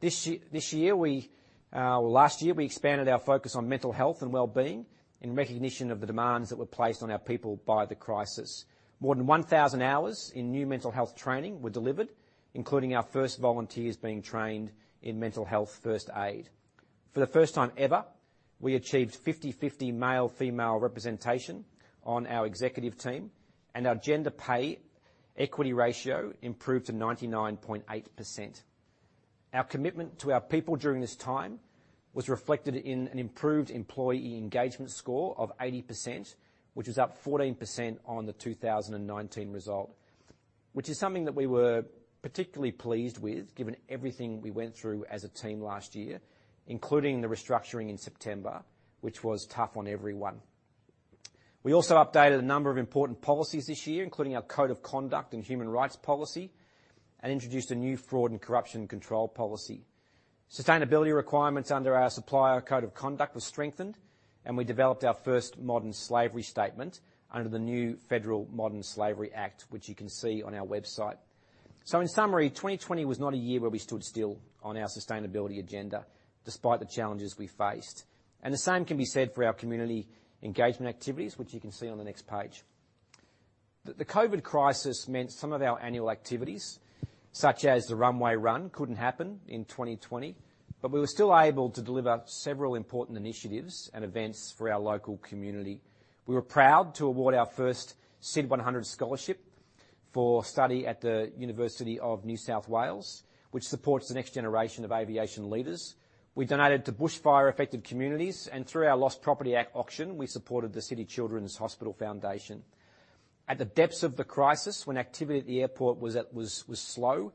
Last year, we expanded our focus on mental health and wellbeing in recognition of the demands that were placed on our people by the crisis. More than 1,000 hours in new mental health training were delivered, including our first volunteers being trained in mental health first aid. For the first time ever, we achieved 50/50 male female representation on our executive team, and our gender pay equity ratio improved to 99.8%. Our commitment to our people during this time was reflected in an improved employee engagement score of 80%, which was up 14% on the 2019 result, which is something that we were particularly pleased with given everything we went through as a team last year, including the restructuring in September, which was tough on everyone. We also updated a number of important policies this year, including our code of conduct and human rights policy, and introduced a new fraud and corruption control policy. Sustainability requirements under our supplier code of conduct was strengthened, and we developed our first modern slavery statement under the new federal Modern Slavery Act, which you can see on our website. In summary, 2020 was not a year where we stood still on our sustainability agenda, despite the challenges we faced. The same can be said for our community engagement activities, which you can see on the next page. The COVID-19 crisis meant some of our annual activities, such as the runway run, couldn't happen in 2020, but we were still able to deliver several important initiatives and events for our local community. We were proud to award our first SYD100 scholarship for study at the University of New South Wales, which supports the next generation of aviation leaders. We donated to bushfire affected communities, and through our Lost Property auction, we supported the Sydney Children's Hospitals Foundation. At the depths of the crisis, when activity at the airport was slow,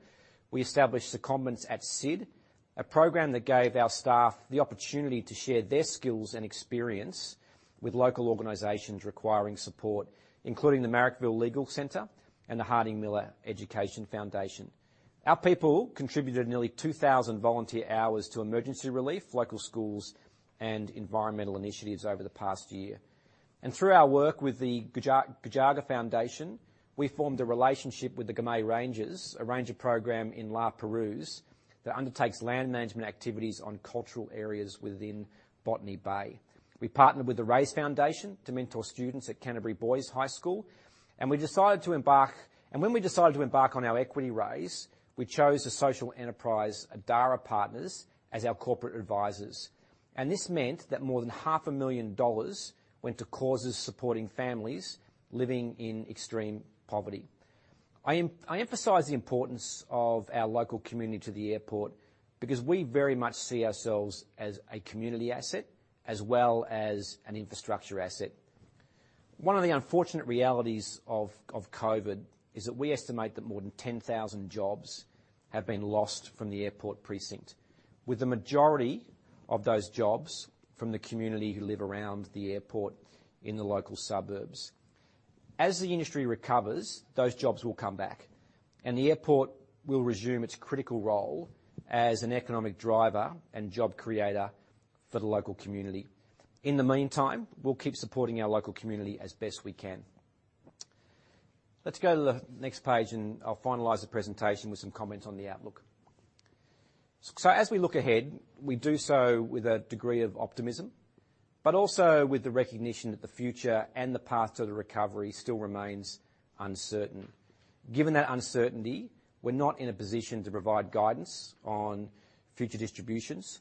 we established Secondments at SYD, a program that gave our staff the opportunity to share their skills and experience with local organizations requiring support, including the Marrickville Legal Centre and the Harding Miller Education Foundation. Our people contributed nearly 2,000 volunteer hours to emergency relief, local schools, and environmental initiatives over the past year. Through our work with the Gujaga Foundation, we formed a relationship with the Gamay Rangers, a ranger program in La Perouse that undertakes land management activities on cultural areas within Botany Bay. We partnered with the Raise Foundation to mentor students at Canterbury Boys High School. When we decided to embark on our equity raise, we chose the social enterprise Adara Partners as our corporate advisors. This meant that more than half a million dollars went to causes supporting families living in extreme poverty. I emphasize the importance of our local community to the airport because we very much see ourselves as a community asset as well as an infrastructure asset. One of the unfortunate realities of COVID-19 is that we estimate that more than 10,000 jobs have been lost from the airport precinct, with the majority of those jobs from the community who live around the airport in the local suburbs. As the industry recovers, those jobs will come back. The airport will resume its critical role as an economic driver and job creator for the local community. In the meantime, we'll keep supporting our local community as best we can. Let's go to the next page, and I'll finalize the presentation with some comments on the outlook. As we look ahead, we do so with a degree of optimism, but also with the recognition that the future and the path to the recovery still remains uncertain. Given that uncertainty, we're not in a position to provide guidance on future distributions.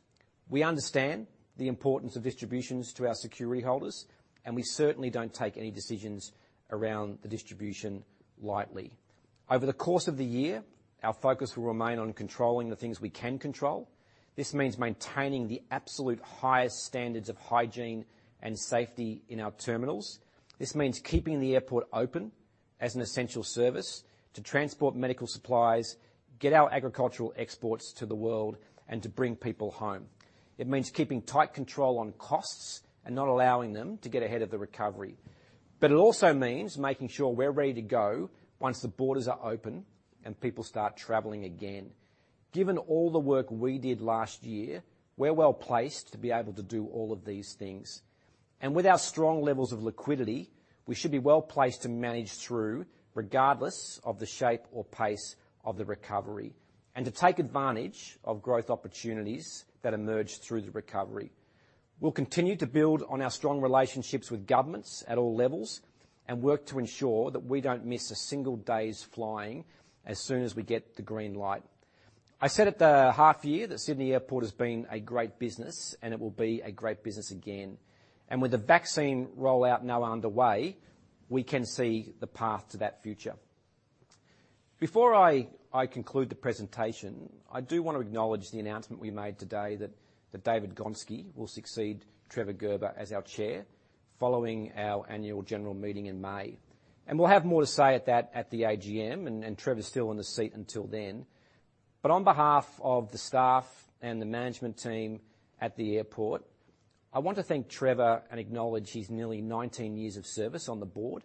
We understand the importance of distributions to our security holders, and we certainly don't take any decisions around the distribution lightly. Over the course of the year, our focus will remain on controlling the things we can control. This means maintaining the absolute highest standards of hygiene and safety in our terminals. This means keeping the airport open as an essential service to transport medical supplies, get our agricultural exports to the world, and to bring people home. It means keeping tight control on costs and not allowing them to get ahead of the recovery. It also means making sure we're ready to go once the borders are open and people start traveling again. Given all the work we did last year, we're well-placed to be able to do all of these things. With our strong levels of liquidity, we should be well-placed to manage through, regardless of the shape or pace of the recovery, and to take advantage of growth opportunities that emerge through the recovery. We'll continue to build on our strong relationships with governments at all levels and work to ensure that we don't miss a single day's flying as soon as we get the green light. I said at the half year that Sydney Airport has been a great business, and it will be a great business again. With the vaccine rollout now underway, we can see the path to that future. Before I conclude the presentation, I do want to acknowledge the announcement we made today that David Gonski will succeed Trevor Gerber as our chair following our annual general meeting in May. We'll have more to say at that at the AGM, and Trevor's still in the seat until then. On behalf of the staff and the management team at the airport, I want to thank Trevor and acknowledge his nearly 19 years of service on the board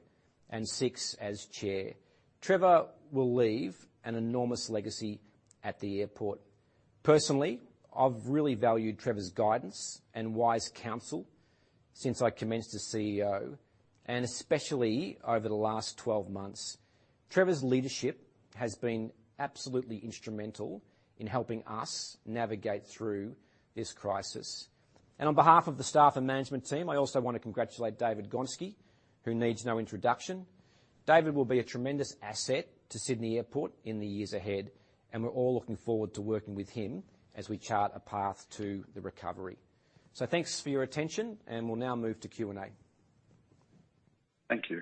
and six as Chair. Trevor will leave an enormous legacy at the airport. Personally, I've really valued Trevor's guidance and wise counsel since I commenced as CEO, and especially over the last 12 months. Trevor's leadership has been absolutely instrumental in helping us navigate through this crisis. On behalf of the staff and management team, I also want to congratulate David Gonski, who needs no introduction. David will be a tremendous asset to Sydney Airport in the years ahead, and we're all looking forward to working with him as we chart a path to the recovery. Thanks for your attention, and we'll now move to Q&A. Thank you.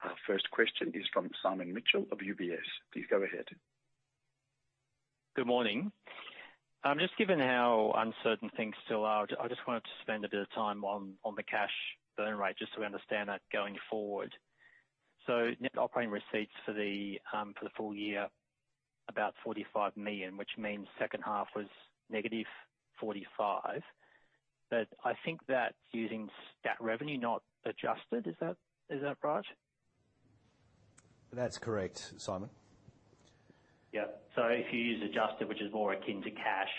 Our first question is from Simon Mitchell of UBS. Please go ahead. Good morning. Just given how uncertain things still are, I just wanted to spend a bit of time on the cash burn rate, just so we understand that going forward. Net operating receipts for the full year, about 45 million, which means second half was -45 million. I think that's using stat revenue, not adjusted. Is that right? That's correct, Simon. Yep. If you use adjusted, which is more akin to cash,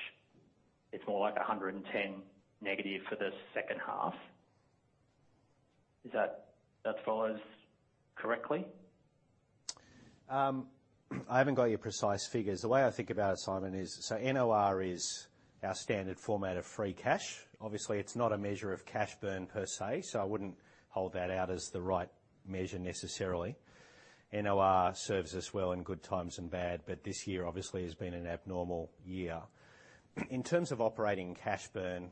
it's more like 110 million negative for the second half. Is that followed correctly? I haven't got your precise figures. The way I think about it, Simon, NOR is our standard format of free cash. Obviously, it's not a measure of cash burn per se, I wouldn't hold that out as the right measure necessarily. NOR serves us well in good times and bad, this year obviously has been an abnormal year. In terms of operating cash burn,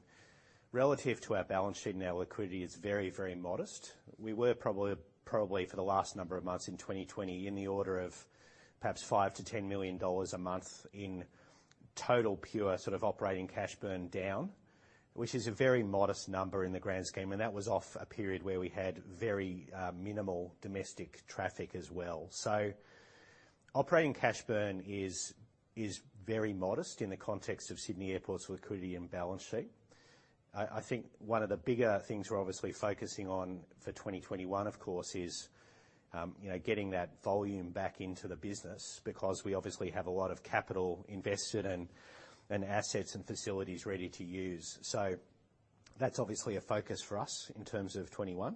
relative to our balance sheet and our liquidity is very modest. We were probably for the last number of months in 2020 in the order of perhaps 5 million-10 million dollars a month in total pure operating cash burn down, which is a very modest number in the grand scheme, and that was off a period where we had very minimal domestic traffic as well. Operating cash burn is very modest in the context of Sydney Airport's liquidity and balance sheet. I think one of the bigger things we're obviously focusing on for 2021, of course, is getting that volume back into the business because we obviously have a lot of capital invested and assets and facilities ready to use. That's obviously a focus for us in terms of 2021.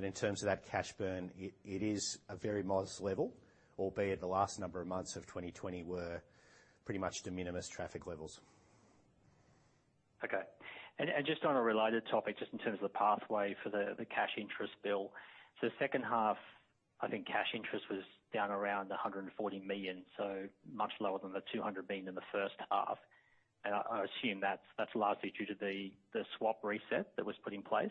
In terms of that cash burn, it is a very modest level, albeit the last number of months of 2020 were pretty much de minimis traffic levels. Okay. Just on a related topic, just in terms of the pathway for the cash interest bill. The second half, I think cash interest was down around 140 million, much lower than the 200 million in the first half. I assume that's largely due to the swap reset that was put in place?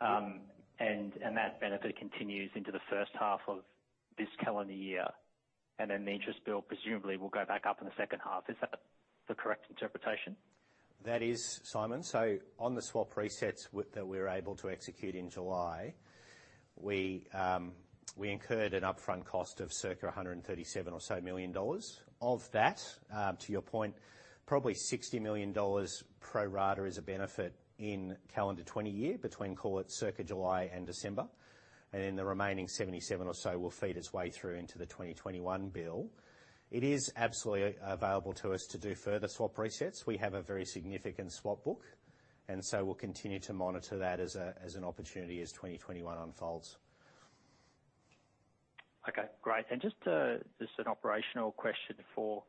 That benefit continues into the first half of this calendar year, and then the interest bill presumably will go back up in the second half. Is that the correct interpretation? That is, Simon. On the swap resets that we were able to execute in July, we incurred an upfront cost of circa 137 million or so. Of that, to your point, probably 60 million dollars pro rata is a benefit in calendar 2020 year between, call it, circa July and December, and then the remaining 77 or so will feed its way through into the 2021 bill. It is absolutely available to us to do further swap resets. We have a very significant swap book, and so we'll continue to monitor that as an opportunity as 2021 unfolds. Okay, great. Just an operational question for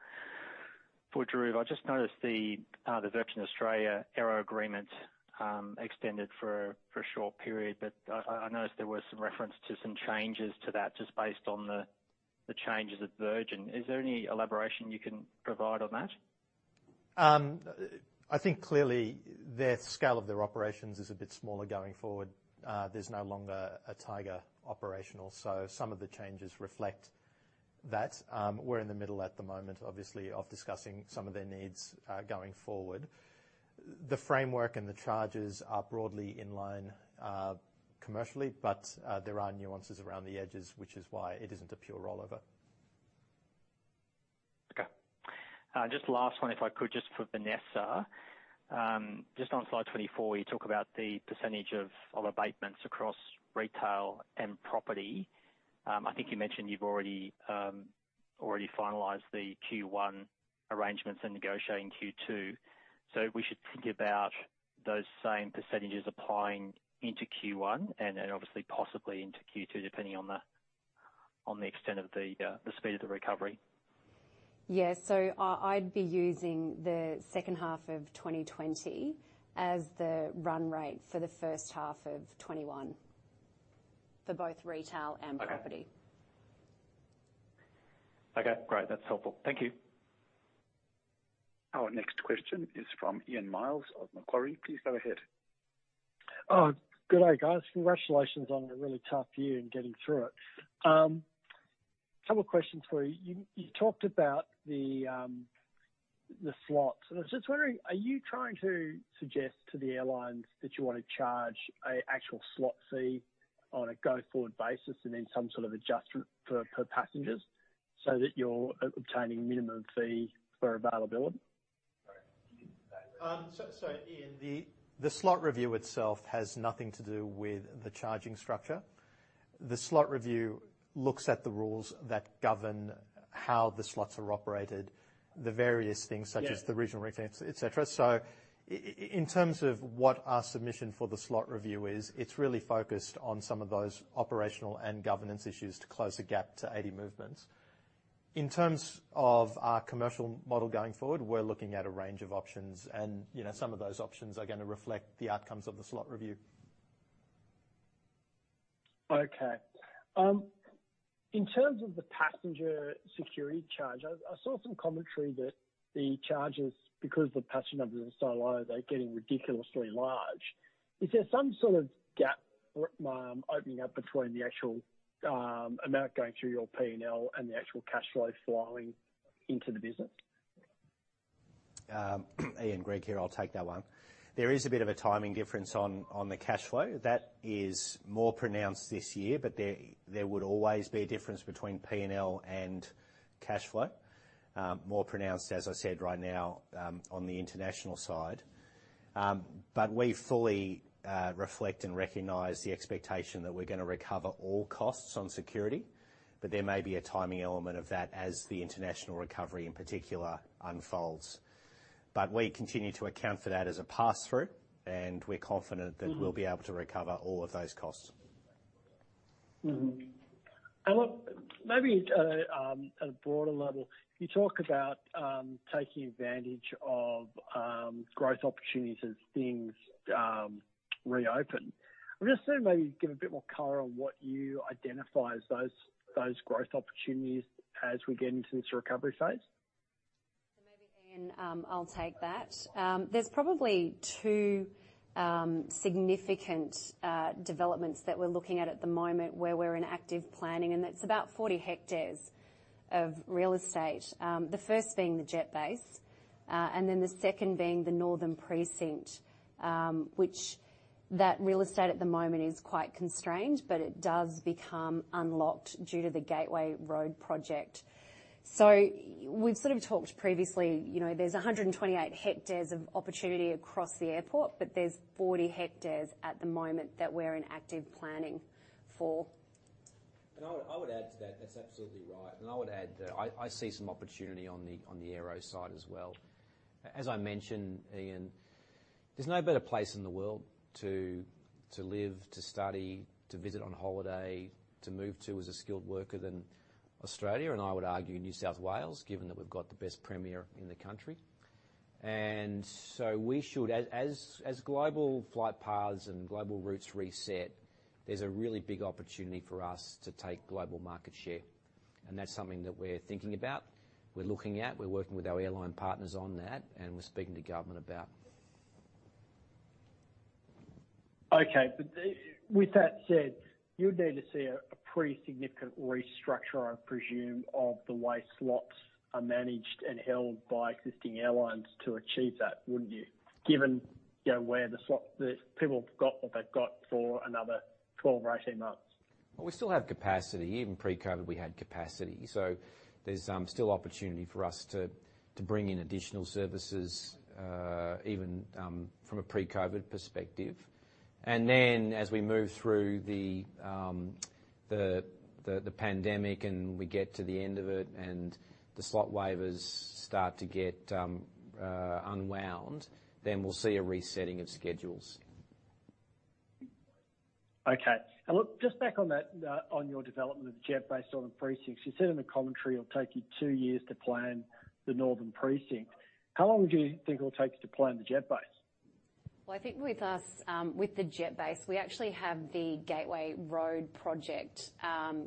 Dhruv. I just noticed the Virgin Australia aero agreement extended for a short period, but I noticed there was some reference to some changes to that just based on the changes at Virgin. Is there any elaboration you can provide on that? I think clearly their scale of their operations is a bit smaller going forward. There's no longer a Tigerair operational. Some of the changes reflect that. We're in the middle at the moment, obviously, of discussing some of their needs going forward. The framework and the charges are broadly in line commercially. There are nuances around the edges, which is why it isn't a pure rollover. Okay. Just last one, if I could, just for Vanessa. Just on slide 24, you talk about the percentage of abatements across retail and property. I think you mentioned you've already finalized the Q1 arrangements and negotiating Q2. We should think about those same percentages applying into Q1 and then obviously possibly into Q2, depending on the extent of the speed of the recovery. Yeah. I'd be using the second half of 2020 as the run rate for the first half of 2021 for both retail and property. Okay. Okay, great. That's helpful. Thank you. Our next question is from Ian Myles of Macquarie. Please go ahead. Oh, good day, guys. Congratulations on a really tough year and getting through it. Couple questions for you. You talked about the slots, and I was just wondering, are you trying to suggest to the airlines that you want to charge an actual slot fee on a go-forward basis and then some sort of adjustment per passengers so that you're obtaining minimum fee for availability? Ian, the slot review itself has nothing to do with the charging structure. The slot review looks at the rules that govern how the slots are operated, the various things such as the regional rates, et cetera. In terms of what our submission for the slot review is, it's really focused on some of those operational and governance issues to close the gap to 80 movements. In terms of our commercial model going forward, we're looking at a range of options, and some of those options are gonna reflect the outcomes of the slot review. Okay. In terms of the passenger security charge, I saw some commentary that the charges, because the passenger numbers are so low, they're getting ridiculously large. Is there some sort of gap opening up between the actual amount going through your P&L and the actual cash flow flowing into the business? Ian, Greg here. I'll take that one. There is a bit of a timing difference on the cash flow. That is more pronounced this year, but there would always be a difference between P&L and cash flow. More pronounced, as I said, right now on the international side. We fully reflect and recognize the expectation that we're gonna recover all costs on security, but there may be a timing element of that as the international recovery in particular unfolds. We continue to account for that as a pass-through, and we're confident that we'll be able to recover all of those costs. Look, maybe at a broader level, you talk about taking advantage of growth opportunities as things reopen. I'm just wondering if maybe you can give a bit more color on what you identify as those growth opportunities as we get into this recovery phase. Maybe, Ian, I'll take that. There's probably two significant developments that we're looking at at the moment where we're in active planning, and that's about 40 hectares of real estate. The first being the jet base, and then the second being the northern precinct, which that real estate at the moment is quite constrained, but it does become unlocked due to the Gateway road project. We've sort of talked previously, there's 128 hectares of opportunity across the airport, but there's 40 hectares at the moment that we're in active planning for. I would add to that. That's absolutely right. I would add that I see some opportunity on the aero side as well. As I mentioned, Ian, there's no better place in the world to live, to study, to visit on holiday, to move to as a skilled worker than Australia, and I would argue New South Wales, given that we've got the best premier in the country. So we should, as global flight paths and global routes reset, there's a really big opportunity for us to take global market share. That's something that we're thinking about, we're looking at, we're working with our airline partners on that, and we're speaking to government about Okay. With that said, you would need to see a pretty significant restructure, I presume, of the way slots are managed and held by existing airlines to achieve that, wouldn't you? Given where the people have got what they've got for another 12 or 18 months. We still have capacity. Even pre-COVID, we had capacity. There's still opportunity for us to bring in additional services, even from a pre-COVID perspective. As we move through the pandemic, and we get to the end of it, and the slot waivers start to get unwound, then we'll see a resetting of schedules. Okay. Look, just back on your development of the jet base on the precinct. You said in the commentary, it'll take you two years to plan the northern precinct. How long do you think it'll take to plan the jet base? Well, I think with the jet base, we actually have the Gateway Road Project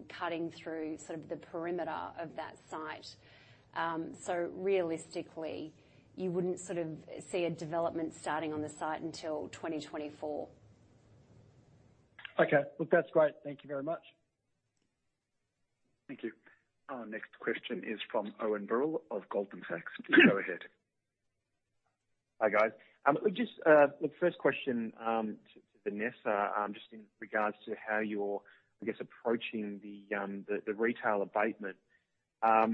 cutting through the perimeter of that site. Realistically, you wouldn't see a development starting on the site until 2024. Okay. Look, that's great. Thank you very much. Thank you. Our next question is from Owen Birrell of Goldman Sachs. Please go ahead. Hi, guys. Just the first question to Vanessa, just in regards to how you're, I guess, approaching the retail abatement. I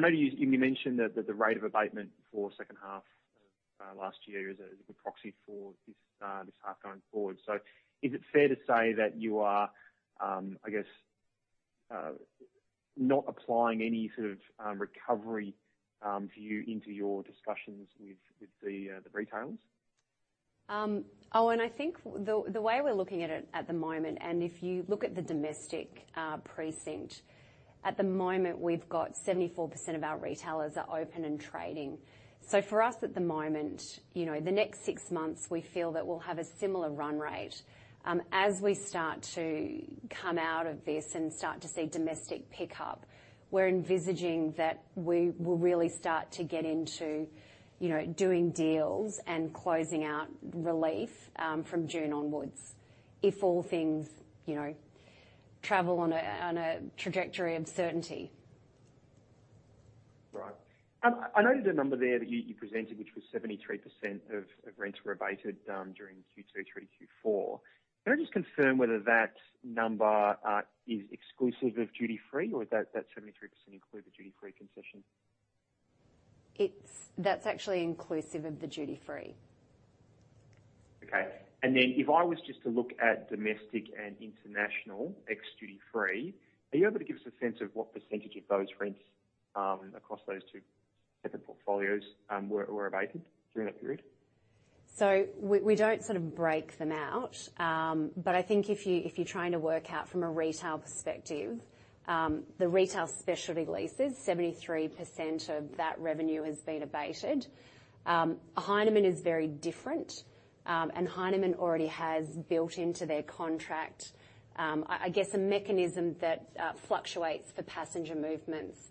know you mentioned that the rate of abatement for the second half of last year is a good proxy for this half going forward. Is it fair to say that you are, I guess, not applying any sort of recovery view into your discussions with the retailers? Owen, I think the way we're looking at it at the moment, and if you look at the domestic precinct, at the moment, we've got 74% of our retailers are open and trading. For us at the moment, the next six months, we feel that we'll have a similar run rate. As we start to come out of this and start to see domestic pickup, we're envisaging that we will really start to get into doing deals and closing out relief from June onwards, if all things travel on a trajectory of certainty. Right. I noted a number there that you presented, which was 73% of rents were abated during Q2, Q3, Q4. Can I just confirm whether that number is exclusive of duty-free or that 73% include the duty-free concession? That's actually inclusive of the duty free. Okay. If I was just to look at domestic and international ex duty free, are you able to give us a sense of what percentage of those rents across those two different portfolios were abated during that period? We don't break them out. I think if you're trying to work out from a retail perspective, the retail specialty leases, 73% of that revenue has been abated. Heinemann is very different, Heinemann already has built into their contract, I guess, a mechanism that fluctuates for passenger movements.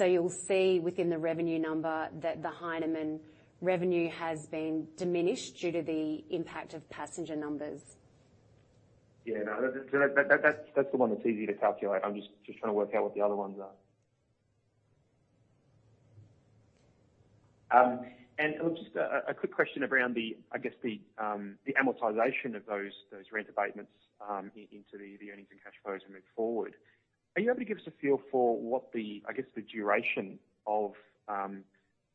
You'll see within the revenue number that the Heinemann revenue has been diminished due to the impact of passenger numbers. Yeah. No, that's the one that's easy to calculate. I'm just trying to work out what the other ones are. Look, just a quick question around the, I guess, the amortization of those rent abatements into the earnings and cash flows moving forward. Are you able to give us a feel for what the, I guess, the duration of the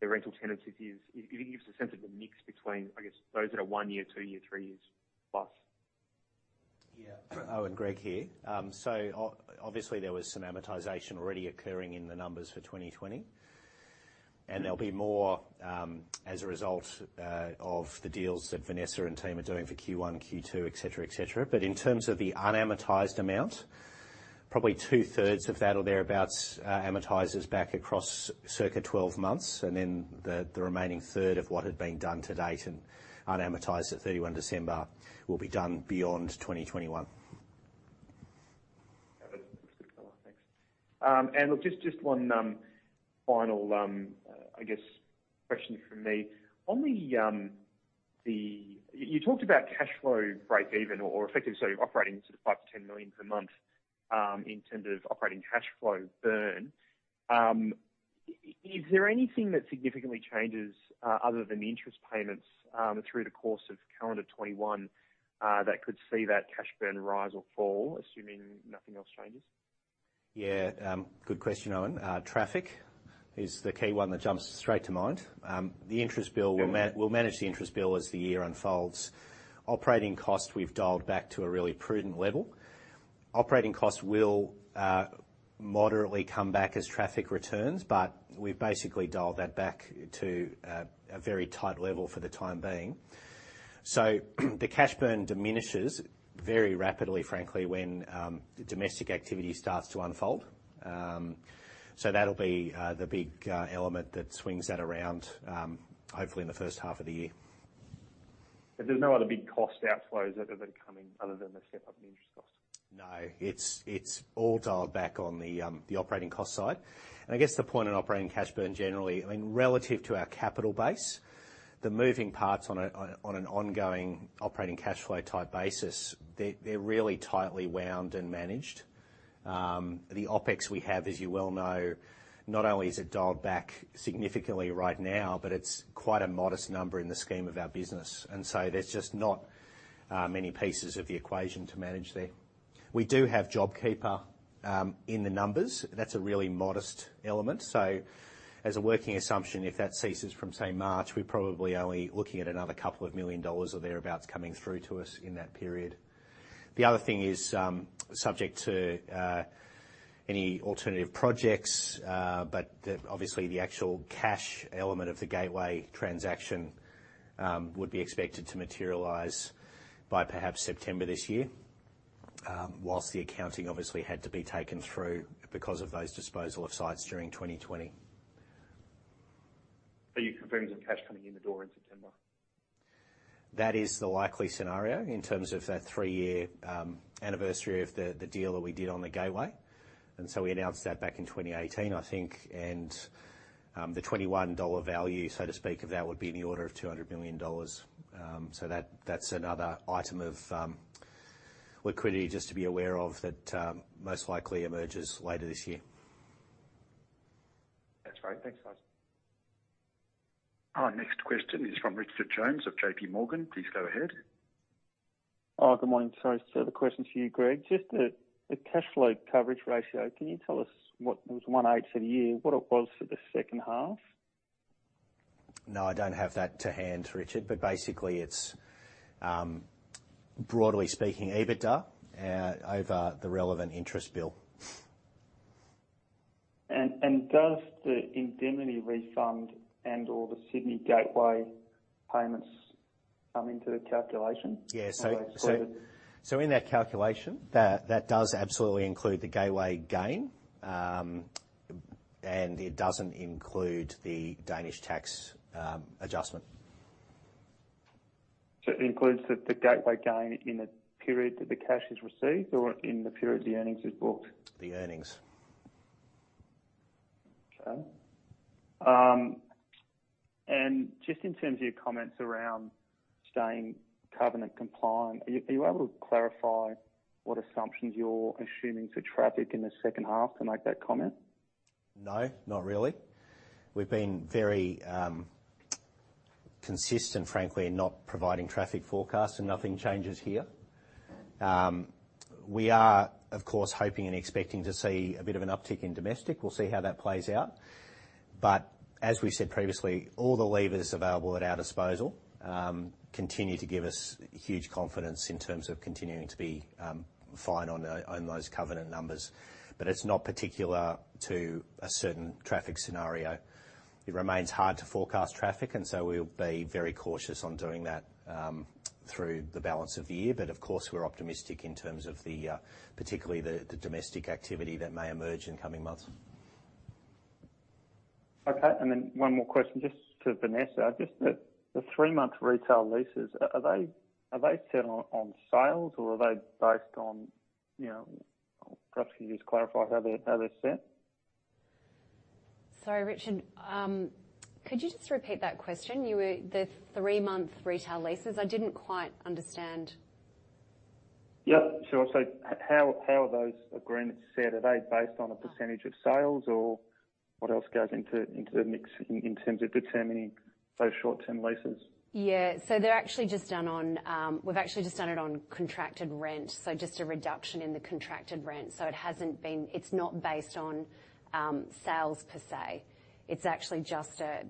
rental tenancies is? It gives a sense of the mix between, I guess, those that are one year, two year, three years plus. Owen, Greg here. Obviously, there was some amortization already occurring in the numbers for 2020, and there'll be more as a result of the deals that Vanessa and team are doing for Q1, Q2, et cetera. In terms of the unamortized amount, probably two-thirds of that or thereabouts amortizes back across circa 12 months, and then the remaining third of what had been done to date and unamortized at 31 December will be done beyond 2021. That's a good color, thanks. Look, just one final, I guess, question from me. You talked about cash flow breakeven or effective operating sort of 5 million-10 million per month in terms of operating cash flow burn. Is there anything that significantly changes other than the interest payments through the course of calendar 2021 that could see that cash burn rise or fall, assuming nothing else changes? Yeah. Good question, Owen. Traffic is the key one that jumps straight to mind. We'll manage the interest bill as the year unfolds. Operating costs, we've dialed back to a really prudent level. Operating costs will moderately come back as traffic returns, but we've basically dialed that back to a very tight level for the time being. The cash burn diminishes very rapidly, frankly, when domestic activity starts to unfold. That'll be the big element that swings that around, hopefully in the first half of the year. There's no other big cost outflows that have been coming other than the step up in interest costs? No, it's all dialed back on the operating cost side. I guess the point on operating cash burn generally, relative to our capital base, the moving parts on an ongoing operating cash flow type basis, they're really tightly wound and managed. The OpEx we have, as you well know, not only is it dialed back significantly right now, but it's quite a modest number in the scheme of our business. There's just not many pieces of the equation to manage there. We do have JobKeeper in the numbers. That's a really modest element. As a working assumption, if that ceases from, say, March, we're probably only looking at another 2 million dollars or thereabout coming through to us in that period. The other thing is subject to any alternative projects, obviously the actual cash element of the Sydney Gateway transaction would be expected to materialize by perhaps September this year, whilst the accounting obviously had to be taken through because of those disposal of sites during 2020. Are you confirming some cash coming in the door in September? That is the likely scenario in terms of that three-year anniversary of the deal that we did on the Sydney Gateway. We announced that back in 2018, I think. The 2021 dollar value, so to speak, of that would be in the order of 200 million dollars. That's another item of liquidity just to be aware of that most likely emerges later this year. That's great. Thanks, guys. Our next question is from Richard Jones of JPMorgan. Please go ahead. Good morning. Sorry, sir, the question's for you, Greg. The cash flow coverage ratio, can you tell us what was [108] for the year, what it was for the second half? No, I don't have that to hand, Richard, but basically it's broadly speaking, EBITDA over the relevant interest bill. Does the indemnity refund and/or the Sydney Gateway payments come into the calculation? Yeah. Are they excluded? In that calculation, that does absolutely include the Gateway gain, and it doesn't include the Danish tax adjustment. It includes the gateway gain in the period that the cash is received or in the period the earnings is booked? The earnings. Okay. Just in terms of your comments around staying covenant compliant, are you able to clarify what assumptions you're assuming for traffic in the second half to make that comment? No, not really. We've been very consistent, frankly, in not providing traffic forecasts and nothing changes here. We are, of course, hoping and expecting to see a bit of an uptick in domestic. We'll see how that plays out. As we said previously, all the levers available at our disposal continue to give us huge confidence in terms of continuing to be fine on those covenant numbers. It's not particular to a certain traffic scenario. It remains hard to forecast traffic, and so we'll be very cautious on doing that through the balance of the year. Of course, we're optimistic in terms of particularly the domestic activity that may emerge in coming months. Okay, one more question just to Vanessa. Just the three-month retail leases, are they set on sales or are they based on, perhaps can you just clarify how they're set? Sorry, Richard, could you just repeat that question? The three-month retail leases, I didn't quite understand. Yeah, sure. How are those agreements set? Are they based on a % of sales or what else goes into the mix in terms of determining those short-term leases? Yeah, we've actually just done it on contracted rent, so just a reduction in the contracted rent. It's not based on sales per se. It's actually just a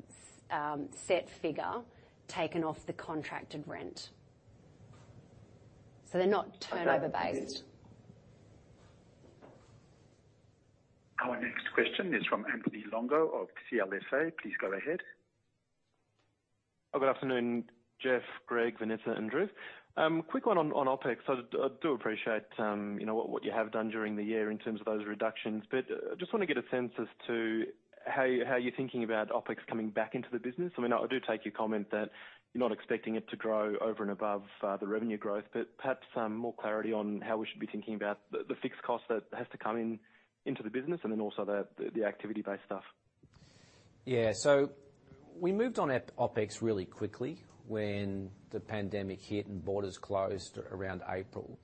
set figure taken off the contracted rent. They're not turnover based. Okay, thanks. Our next question is from Anthony Longo of CLSA. Please go ahead. Good afternoon, Geoff, Greg, Vanessa, and Dhruv. Quick one on OpEx. I do appreciate what you have done during the year in terms of those reductions. I just want to get a sense as to how you're thinking about OpEx coming back into the business. I do take your comment that you're not expecting it to grow over and above the revenue growth. Perhaps more clarity on how we should be thinking about the fixed cost that has to come into the business and then also the activity-based stuff. Yeah. We moved on OpEx really quickly when the pandemic hit and borders closed around April.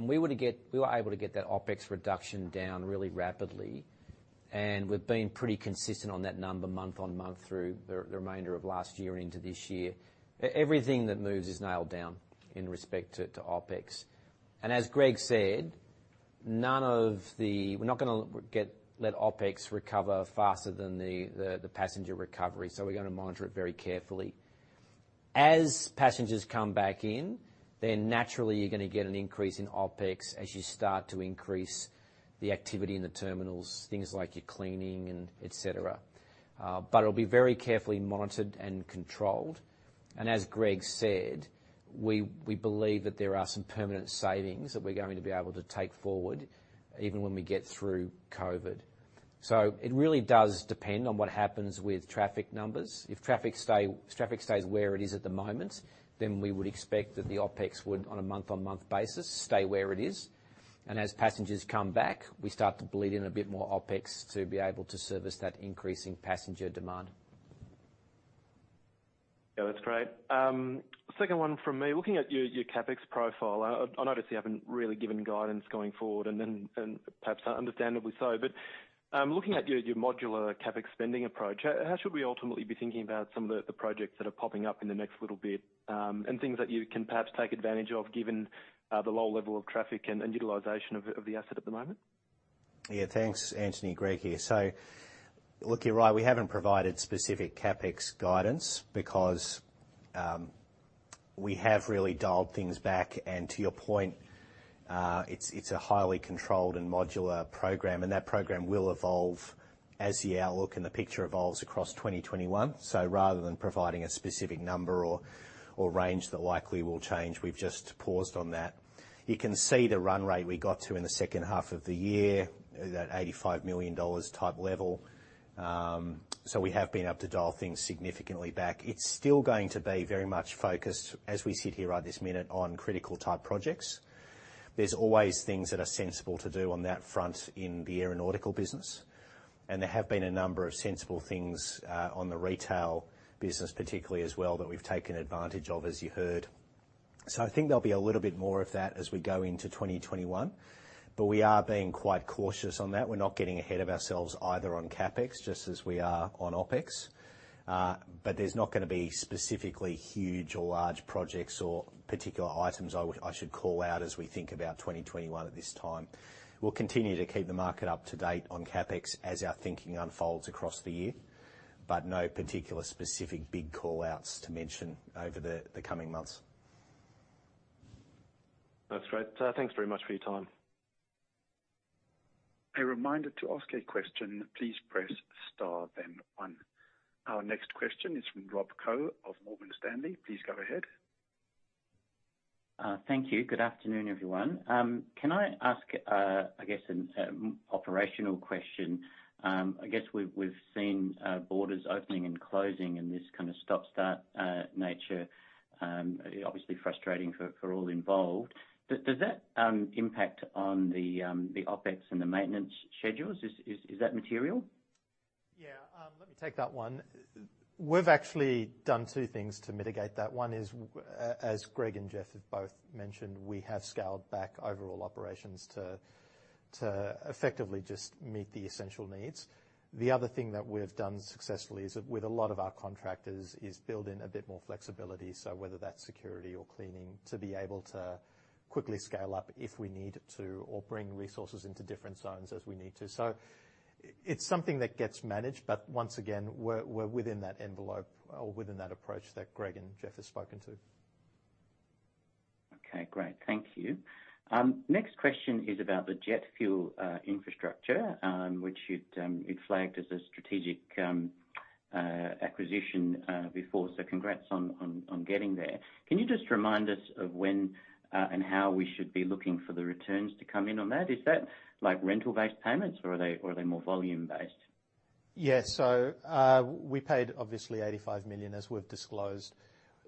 We were able to get that OpEx reduction down really rapidly, and we've been pretty consistent on that number month on month through the remainder of last year into this year. Everything that moves is nailed down in respect to OpEx. As Greg said, we're not going to let OpEx recover faster than the passenger recovery, so we're going to monitor it very carefully. As passengers come back in, naturally you're going to get an increase in OpEx as you start to increase the activity in the terminals, things like your cleaning and et cetera. It'll be very carefully monitored and controlled. As Greg said, we believe that there are some permanent savings that we're going to be able to take forward even when we get through COVID. It really does depend on what happens with traffic numbers. If traffic stays where it is at the moment, we would expect that the OpEx would, on a month-on-month basis, stay where it is. As passengers come back, we start to bleed in a bit more OpEx to be able to service that increasing passenger demand. Yeah, that's great. Second one from me. Looking at your CapEx profile, I notice you haven't really given guidance going forward, and perhaps understandably so. Looking at your modular CapEx spending approach, how should we ultimately be thinking about some of the projects that are popping up in the next little bit, and things that you can perhaps take advantage of given the low level of traffic and utilization of the asset at the moment? Thanks, Anthony. Greg here. You're right, we haven't provided specific CapEx guidance because we have really dialed things back. To your point, it's a highly controlled and modular program. That program will evolve as the outlook and the picture evolves across 2021. Rather than providing a specific number or range that likely will change, we've just paused on that. You can see the run rate we got to in the second half of the year, that 85 million dollars type level. We have been able to dial things significantly back. It's still going to be very much focused, as we sit here right this minute, on critical type projects. There's always things that are sensible to do on that front in the aeronautical business. There have been a number of sensible things on the retail business particularly as well that we've taken advantage of, as you heard. I think there'll be a little bit more of that as we go into 2021. We are being quite cautious on that. We're not getting ahead of ourselves either on CapEx just as we are on OpEx. There's not going to be specifically huge or large projects or particular items I should call out as we think about 2021 at this time. We'll continue to keep the market up to date on CapEx as our thinking unfolds across the year, but no particular specific big call-outs to mention over the coming months. That's great. Thanks very much for your time. A reminder, to ask a question, please press star then one. Our next question is from Rob Koh of Morgan Stanley. Please go ahead. Thank you. Good afternoon, everyone. Can I ask an operational question? We've seen borders opening and closing in this stop-start nature, obviously frustrating for all involved. Does that impact on the OpEx and the maintenance schedules? Is that material? Let me take that one. We've actually done two things to mitigate that. One is, as Greg and Geoff have both mentioned, we have scaled back overall operations to effectively just meet the essential needs. The other thing that we've done successfully is with a lot of our contractors is build in a bit more flexibility. Whether that's security or cleaning, to be able to quickly scale up if we need to or bring resources into different zones as we need to. It's something that gets managed. Once again, we're within that envelope or within that approach that Greg and Geoff have spoken to. Okay, great. Thank you. Next question is about the jet fuel infrastructure, which you'd flagged as a strategic acquisition before. Congrats on getting there. Can you just remind us of when and how we should be looking for the returns to come in on that? Is that rental-based payments or are they more volume-based? We paid obviously 85 million as we've disclosed.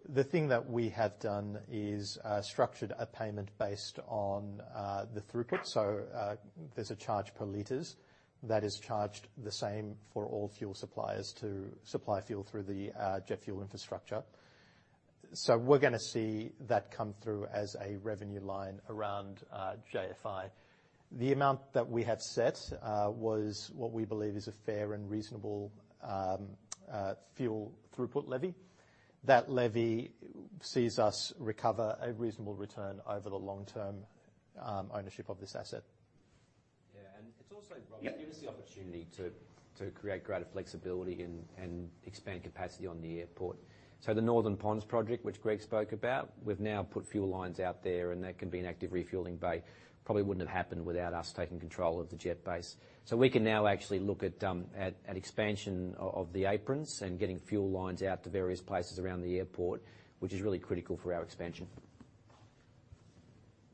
The thing that we have done is structured a payment based on the throughput. There's a charge per liters that is charged the same for all fuel suppliers to supply fuel through the jet fuel infrastructure. We're going to see that come through as a revenue line around JFI. The amount that we have set was what we believe is a fair and reasonable fuel throughput levy. That levy sees us recover a reasonable return over the long-term ownership of this asset. Yeah. It's also, Rob. Yeah given us the opportunity to create greater flexibility and expand capacity on the airport. The Northern Ponds Project, which Greg spoke about, we've now put fuel lines out there and that can be an active refueling bay. Probably wouldn't have happened without us taking control of the jet base. We can now actually look at expansion of the aprons and getting fuel lines out to various places around the airport, which is really critical for our expansion.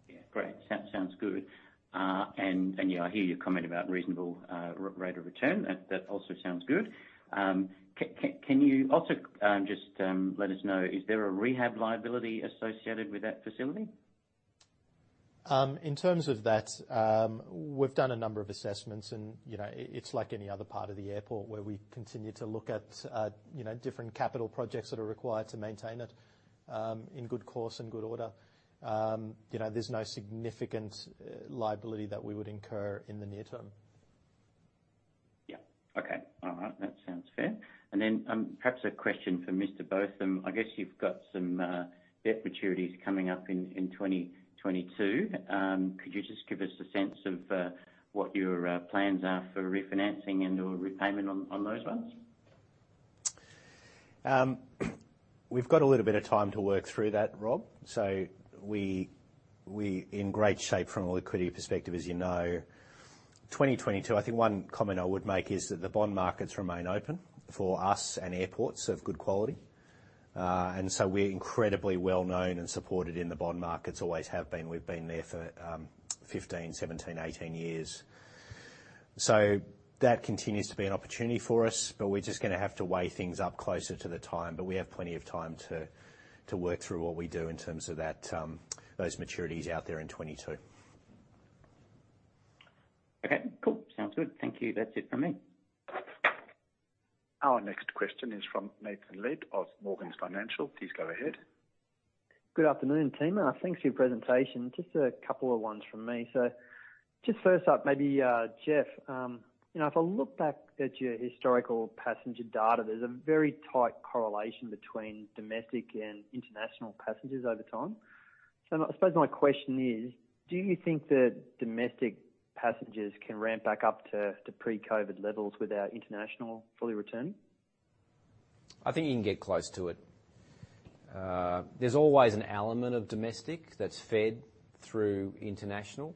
Yeah. Great. Sounds good. Yeah, I hear your comment about reasonable rate of return. That also sounds good. Can you also just let us know, is there a rehab liability associated with that facility? In terms of that, we've done a number of assessments and it's like any other part of the airport where we continue to look at different capital projects that are required to maintain it in good course, in good order. There's no significant liability that we would incur in the near term. Yeah. Okay. All right. That sounds fair. Then perhaps a question for Greg Botham. I guess you've got some debt maturities coming up in 2022. Could you just give us a sense of what your plans are for refinancing and/or repayment on those ones? We've got a little bit of time to work through that, Rob. We in great shape from a liquidity perspective, as you know. 2022, I think one comment I would make is that the bond markets remain open for us and airports of good quality. We're incredibly well-known and supported in the bond markets, always have been. We've been there for 15, 17, 18 years. That continues to be an opportunity for us, but we're just going to have to weigh things up closer to the time. We have plenty of time to work through what we do in terms of those maturities out there in 2022. Okay, cool. Sounds good. Thank you. That's it from me. Our next question is from Nathan Lead of Morgans Financial. Please go ahead. Good afternoon, team. Thanks for your presentation. Just a couple of ones from me. Just first up maybe, Geoff, if I look back at your historical passenger data, there's a very tight correlation between domestic and international passengers over time. I suppose my question is, do you think that domestic passengers can ramp back up to pre-COVID levels without international fully returning? I think you can get close to it. There's always an element of domestic that's fed through international.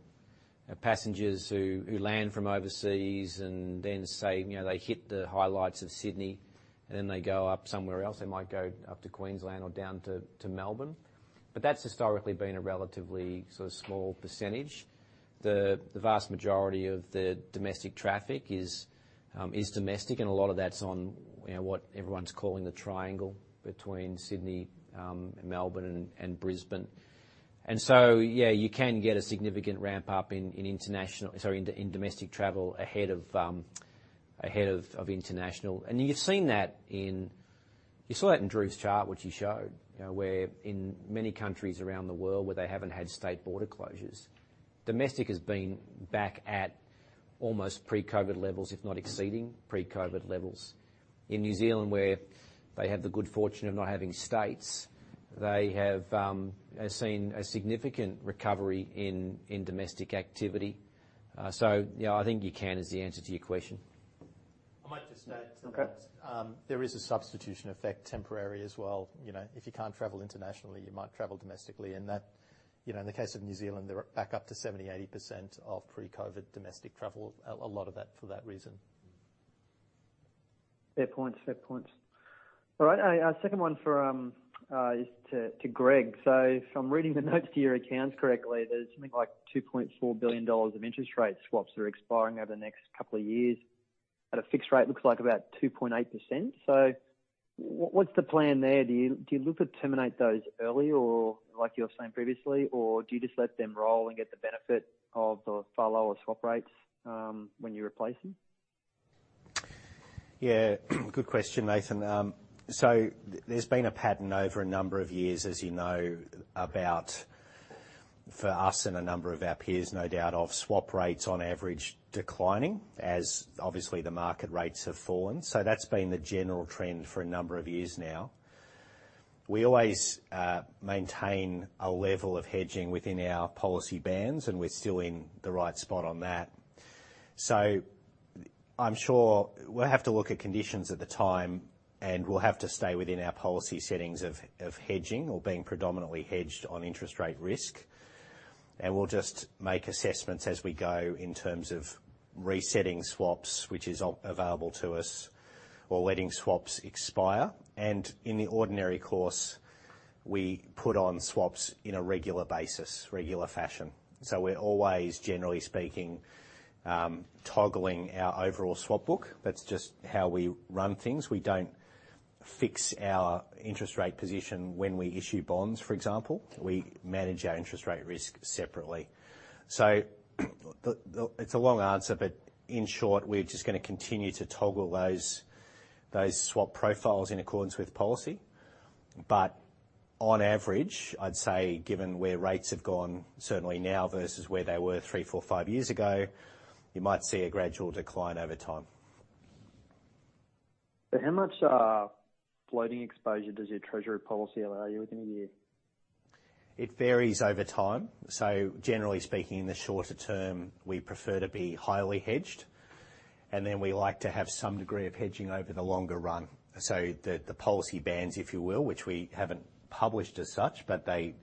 Passengers who land from overseas and then say they hit the highlights of Sydney, and then they go up somewhere else. They might go up to Queensland or down to Melbourne. That's historically been a relatively small percentage. The vast majority of the domestic traffic is domestic, and a lot of that's on what everyone's calling the triangle between Sydney, Melbourne, and Brisbane. Yeah, you can get a significant ramp-up in domestic travel ahead of international. You saw that in Dhruv's chart, which he showed, where in many countries around the world where they haven't had state border closures. Domestic has been back at almost pre-COVID-19 levels, if not exceeding pre-COVID-19 levels. In New Zealand, where they have the good fortune of not having states, they have seen a significant recovery in domestic activity. Yeah, I think you can is the answer to your question. I might just add to that. Okay. There is a substitution effect temporary as well. If you can't travel internationally, you might travel domestically, and in the case of New Zealand, they're back up to 70%, 80% of pre-COVID domestic travel, a lot of that for that reason. Fair points. All right. A second one is to Greg. If I'm reading the notes to your accounts correctly, there's something like 2.4 billion dollars of interest rate swaps that are expiring over the next couple of years at a fixed rate, looks like about 2.8%. What's the plan there? Do you look to terminate those early, or like you were saying previously? Do you just let them roll and get the benefit of the far lower swap rates when you replace them? Yeah. Good question, Nathan. There's been a pattern over a number of years, as you know, about for us and a number of our peers, no doubt, of swap rates on average declining as obviously the market rates have fallen. That's been the general trend for a number of years now. We always maintain a level of hedging within our policy bands, and we're still in the right spot on that. I'm sure we'll have to look at conditions at the time, and we'll have to stay within our policy settings of hedging or being predominantly hedged on interest rate risk. We'll just make assessments as we go in terms of resetting swaps, which is available to us or letting swaps expire. In the ordinary course, we put on swaps in a regular basis, regular fashion. We're always, generally speaking, toggling our overall swap book. That's just how we run things. We don't fix our interest rate position when we issue bonds, for example. We manage our interest rate risk separately. It's a long answer, but in short, we're just going to continue to toggle those swap profiles in accordance with policy. On average, I'd say given where rates have gone, certainly now versus where they were three, four, five years ago, you might see a gradual decline over time. How much floating exposure does your treasury policy allow you within a year? It varies over time. Generally speaking, in the shorter term, we prefer to be highly hedged, and then we like to have some degree of hedging over the longer run. The policy bands, if you will, which we haven't published as such, but they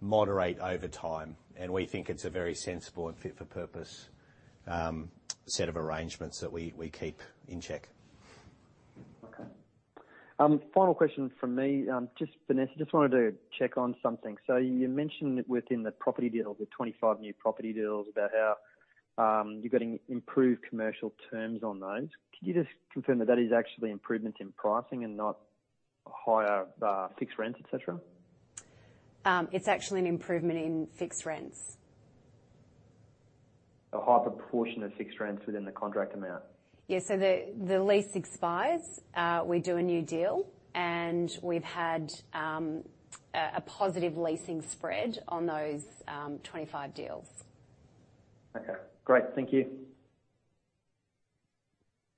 moderate over time, and we think it's a very sensible and fit-for-purpose set of arrangements that we keep in check. Final question from me. Vanessa, just wanted to check on something. You mentioned within the property deals, the 25 new property deals, about how you are getting improved commercial terms on those. Could you just confirm that that is actually improvements in pricing and not higher fixed rents, et cetera? It's actually an improvement in fixed rents. A higher proportion of fixed rents within the contract amount? Yeah. The lease expires, we do a new deal, and we've had a positive leasing spread on those 25 deals. Okay, great. Thank you.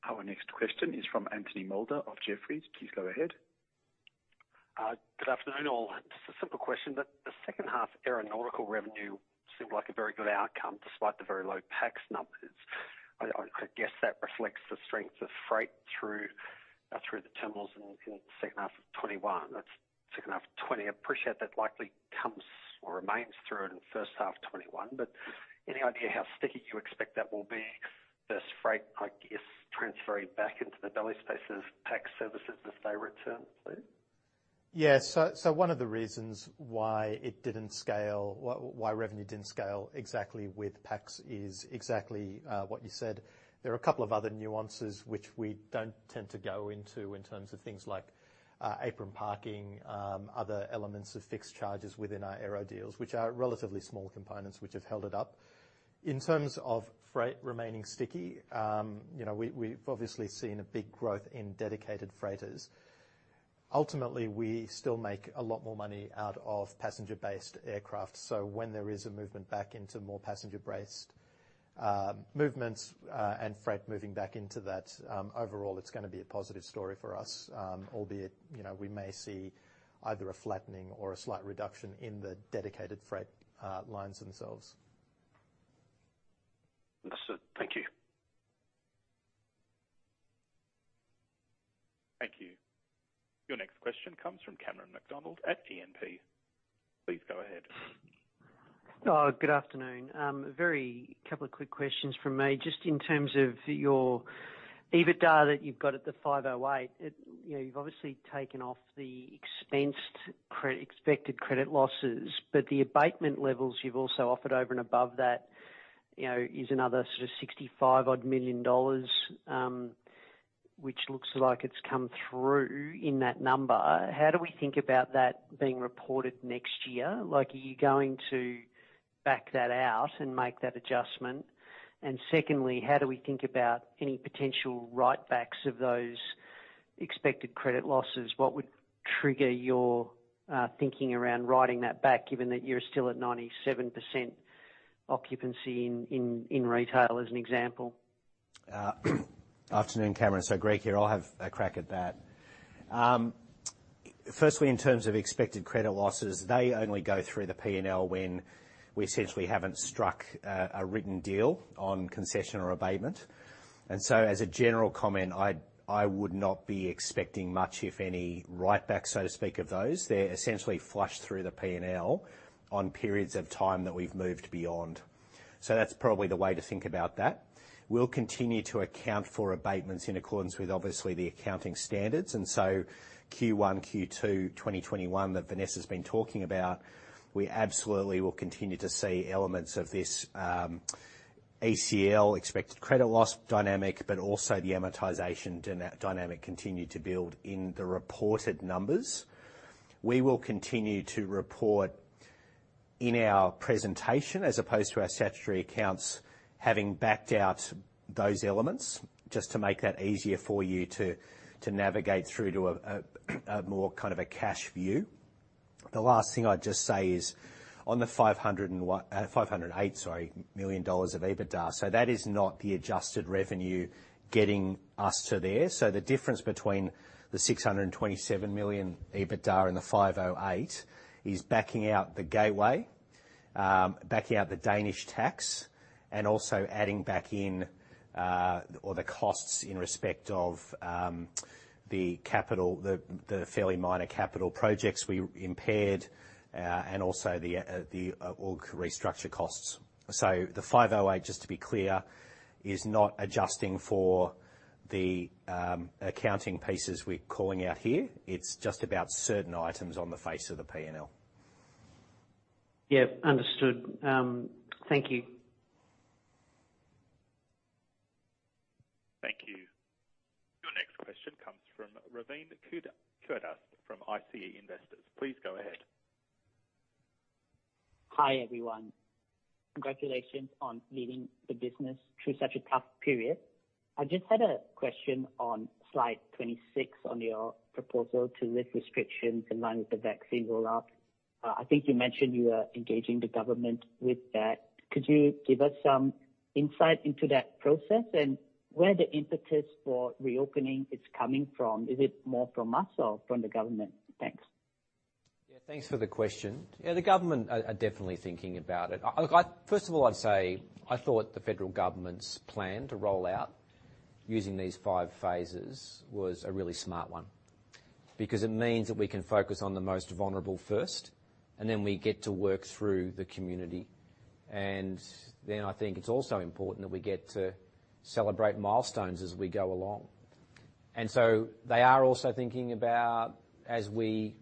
Our next question is from Anthony Moulder of Jefferies. Please go ahead. Good afternoon, all. A simple question, the second half aeronautical revenue seemed like a very good outcome despite the very low pax numbers. I guess that reflects the strength of freight through the terminals in the second half of 2021. Second half 2020, I appreciate that likely comes or remains through in first half 2021. Any idea how sticky you expect that will be versus freight, I guess, transferring back into the belly spaces PAX services as they return, please? Yeah. One of the reasons why revenue didn't scale exactly with PAX is exactly what you said. There are a couple of other nuances which we don't tend to go into in terms of things like apron parking, other elements of fixed charges within our aero deals, which are relatively small components which have held it up. In terms of freight remaining sticky, we've obviously seen a big growth in dedicated freighters. Ultimately, we still make a lot more money out of passenger-based aircraft. When there is a movement back into more passenger-based movements, and freight moving back into that, overall, it's going to be a positive story for us. Albeit, we may see either a flattening or a slight reduction in the dedicated freight lines themselves. Understood. Thank you. Thank you. Your next question comes from Cameron McDonald at E&P. Please go ahead. Good afternoon. A very couple of quick questions from me. Just in terms of your EBITDA that you've got at the 508, you've obviously taken off the expensed expected credit losses. The abatement levels you've also offered over and above that, is another sort of 65-odd million dollars, which looks like it's come through in that number. How do we think about that being reported next year? Are you going to back that out and make that adjustment? Secondly, how do we think about any potential write-backs of those expected credit losses? What would trigger your thinking around writing that back, given that you're still at 97% occupancy in retail, as an example? Afternoon, Cameron. Greg here, I'll have a crack at that. Firstly, in terms of expected credit losses, they only go through the P&L when we essentially haven't struck a written deal on concession or abatement. As a general comment, I would not be expecting much, if any write-back, so to speak, of those. They're essentially flushed through the P&L on periods of time that we've moved beyond. That's probably the way to think about that. We'll continue to account for abatements in accordance with obviously the accounting standards. Q1, Q2 2021 that Vanessa's been talking about, we absolutely will continue to see elements of this ECL, expected credit loss dynamic, but also the amortization dynamic continue to build in the reported numbers. We will continue to report in our presentation as opposed to our statutory accounts, having backed out those elements just to make that easier for you to navigate through to a more kind of a cash view. The last thing I'd just say is on the 508 million dollars of EBITDA. That is not the adjusted revenue getting us to there. The difference between the 627 million EBITDA and the 508 million is backing out the Sydney Gateway, backing out the Danish tax, and also adding back in all the costs in respect of the fairly minor capital projects we impaired, and also the org restructure costs. The 508 million, just to be clear, is not adjusting for the accounting pieces we're calling out here. It's just about certain items on the face of the P&L. Yeah, understood. Thank you. Thank you. Your next question comes from [Ravin Kurdas] from [IFM Investors]. Please go ahead. Hi, everyone. Congratulations on leading the business through such a tough period. I just had a question on slide 26 on your proposal to lift restrictions in line with the vaccine rollout. I think you mentioned you are engaging the government with that. Could you give us some insight into that process and where the impetus for reopening is coming from? Is it more from us or from the government? Thanks. Yeah, thanks for the question. Yeah, the government are definitely thinking about it. First of all, I'd say I thought the federal government's plan to roll out using these five phases was a really smart one. It means that we can focus on the most vulnerable first, and then we get to work through the community. I think it's also important that we get to celebrate milestones as we go along. They are also thinking about, as we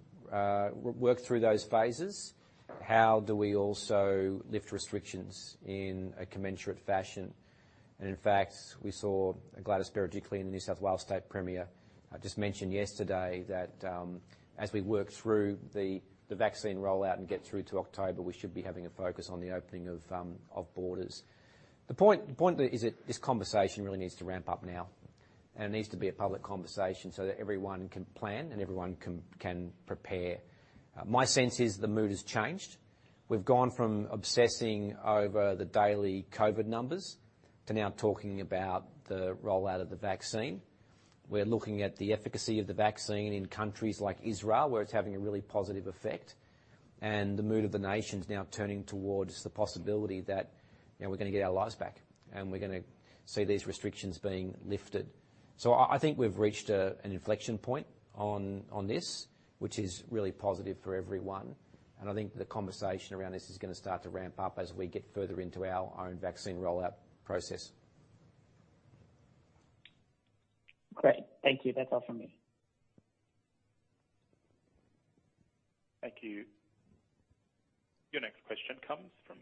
work through those phases, how do we also lift restrictions in a commensurate fashion? In fact, we saw Gladys Berejiklian, the New South Wales State Premier, just mention yesterday that as we work through the vaccine rollout and get through to October, we should be having a focus on the opening of borders. The point is that this conversation really needs to ramp up now, and it needs to be a public conversation so that everyone can plan and everyone can prepare. My sense is the mood has changed. We've gone from obsessing over the daily COVID numbers to now talking about the rollout of the vaccine. We're looking at the efficacy of the vaccine in countries like Israel, where it's having a really positive effect, and the mood of the nation is now turning towards the possibility that we're going to get our lives back, and we're going to see these restrictions being lifted. I think we've reached an inflection point on this, which is really positive for everyone. I think the conversation around this is going to start to ramp up as we get further into our own vaccine rollout process. Great. Thank you. That's all from me. Thank you. Your next question comes from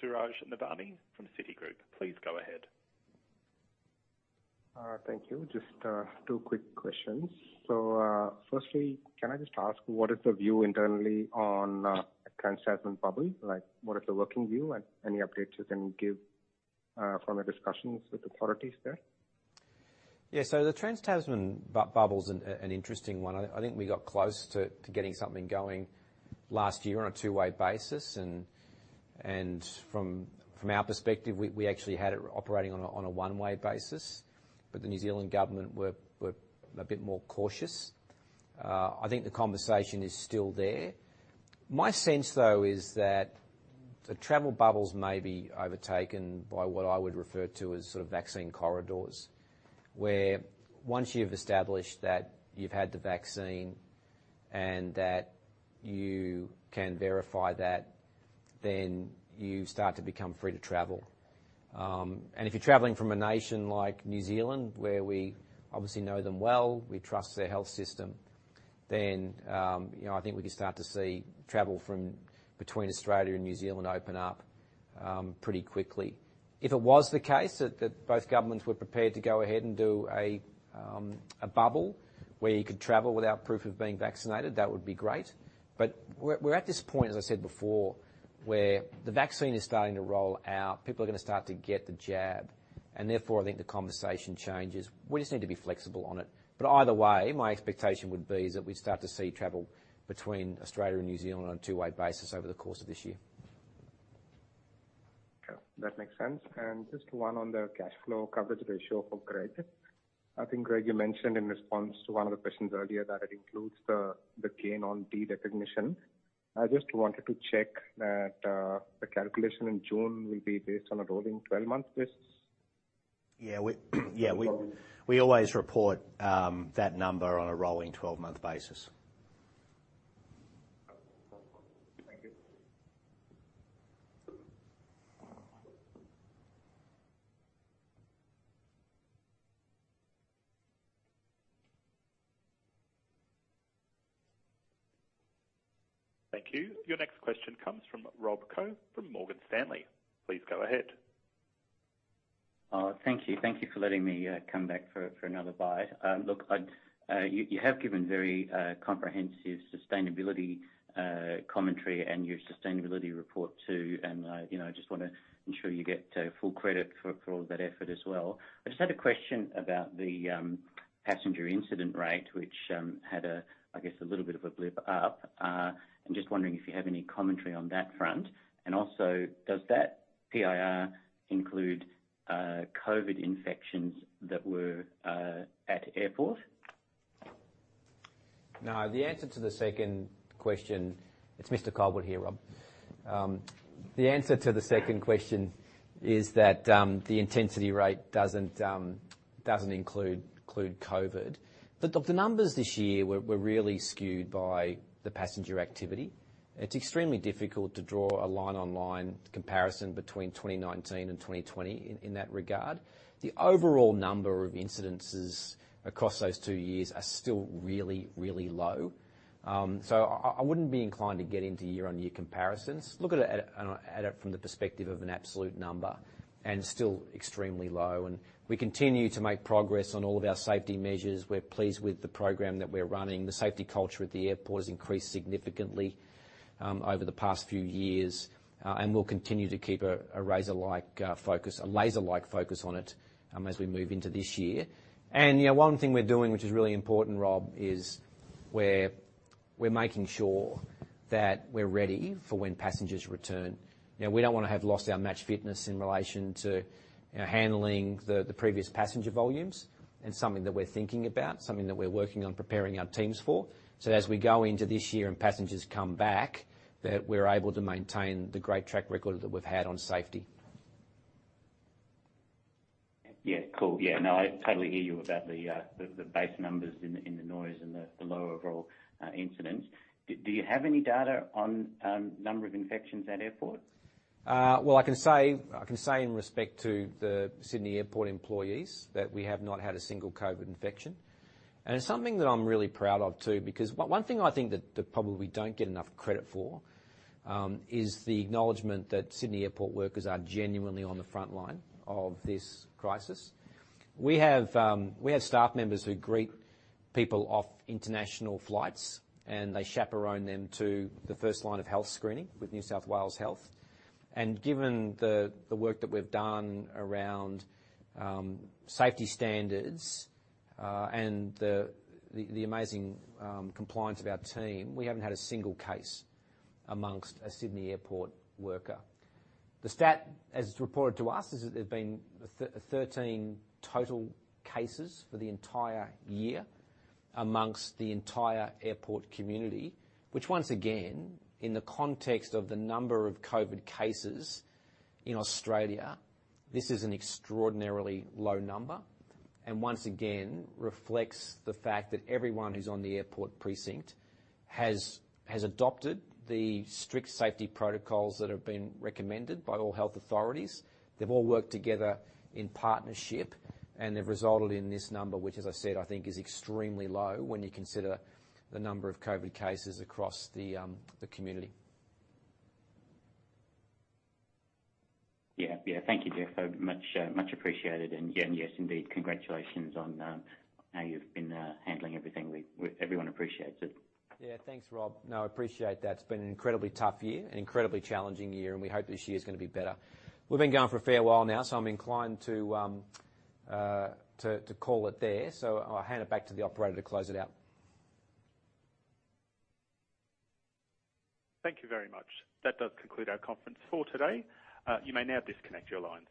Suraj Nebhani from Citigroup. Please go ahead. Thank you. Just two quick questions. Firstly, can I just ask, what is the view internally on trans-Tasman bubble? What is the working view and any updates you can give from the discussions with the authorities there? The trans-Tasman bubble's an interesting one. I think we got close to getting something going last year on a two-way basis, and from our perspective, we actually had it operating on a one-way basis. The New Zealand Government were a bit more cautious. I think the conversation is still there. My sense, though, is that the travel bubbles may be overtaken by what I would refer to as sort of vaccine corridors. Where once you've established that you've had the vaccine and that you can verify that, then you start to become free to travel. If you're traveling from a nation like New Zealand, where we obviously know them well, we trust their health system, then I think we could start to see travel from between Australia and New Zealand open up pretty quickly. If it was the case that both governments were prepared to go ahead and do a bubble where you could travel without proof of being vaccinated, that would be great. We're at this point, as I said before, where the vaccine is starting to roll out. People are going to start to get the jab, and therefore, I think the conversation changes. We just need to be flexible on it. Either way, my expectation would be is that we start to see travel between Australia and New Zealand on a two-way basis over the course of this year. Okay. That makes sense. Just one on the cash flow coverage ratio for credit. I think, Greg, you mentioned in response to one of the questions earlier that it includes the gain on derecognition. I just wanted to check that the calculation in June will be based on a rolling 12-month basis. We always report that number on a rolling 12-month basis. Thank you. Thank you. Your next question comes from Rob Koh from Morgan Stanley. Please go ahead. Thank you. Thank you for letting me come back for another bite. You have given very comprehensive sustainability commentary and your sustainability report too, and I just want to ensure you get full credit for all that effort as well. I just had a question about the passenger incident rate, which had, I guess, a little bit of a blip up. I am just wondering if you have any commentary on that front. Does that PIR include COVID infections that were at airport? It's Mr. Culbert here, Rob. The answer to the second question is that the intensity rate doesn't include COVID. The numbers this year were really skewed by the passenger activity. It's extremely difficult to draw a line-on-line comparison between 2019 and 2020 in that regard. The overall number of incidences across those two years are still really, really low. I wouldn't be inclined to get into year-on-year comparisons. Look at it from the perspective of an absolute number, still extremely low. We continue to make progress on all of our safety measures. We're pleased with the program that we're running. The safety culture at the airport has increased significantly over the past few years, we'll continue to keep a razor-like focus, a laser-like focus on it as we move into this year. One thing we're doing, which is really important, Rob, is we're making sure that we're ready for when passengers return. We don't want to have lost our match fitness in relation to handling the previous passenger volumes. Something that we're thinking about, something that we're working on preparing our teams for, so that as we go into this year and passengers come back, that we're able to maintain the great track record that we've had on safety. Yeah, cool. Yeah, no, I totally hear you about the base numbers and the noise and the low overall incidents. Do you have any data on number of infections at airports? Well, I can say in respect to the Sydney Airport employees that we have not had a single COVID infection. It's something that I'm really proud of too, because one thing I think that probably we don't get enough credit for is the acknowledgement that Sydney Airport workers are genuinely on the front line of this crisis. We have staff members who greet people off international flights, and they chaperone them to the first line of health screening with New South Wales Health. Given the work that we've done around safety standards and the amazing compliance of our team, we haven't had a single case amongst a Sydney Airport worker. The stat as reported to us is that there've been 13 total cases for the entire year amongst the entire airport community, which once again, in the context of the number of COVID cases in Australia, this is an extraordinarily low number, and once again, reflects the fact that everyone who's on the airport precinct has adopted the strict safety protocols that have been recommended by all health authorities. They've all worked together in partnership, they've resulted in this number, which as I said, I think is extremely low when you consider the number of COVID cases across the community. Yeah. Thank you, Geoff. Much appreciated. Yes, indeed, congratulations on how you've been handling everything. Everyone appreciates it. Yeah. Thanks, Rob. No, I appreciate that. It's been an incredibly tough year, an incredibly challenging year, and we hope this year is going to be better. We've been going for a fair while now, so I'm inclined to call it there. I'll hand it back to the operator to close it out. Thank you very much. That does conclude our conference for today. You may now disconnect your lines.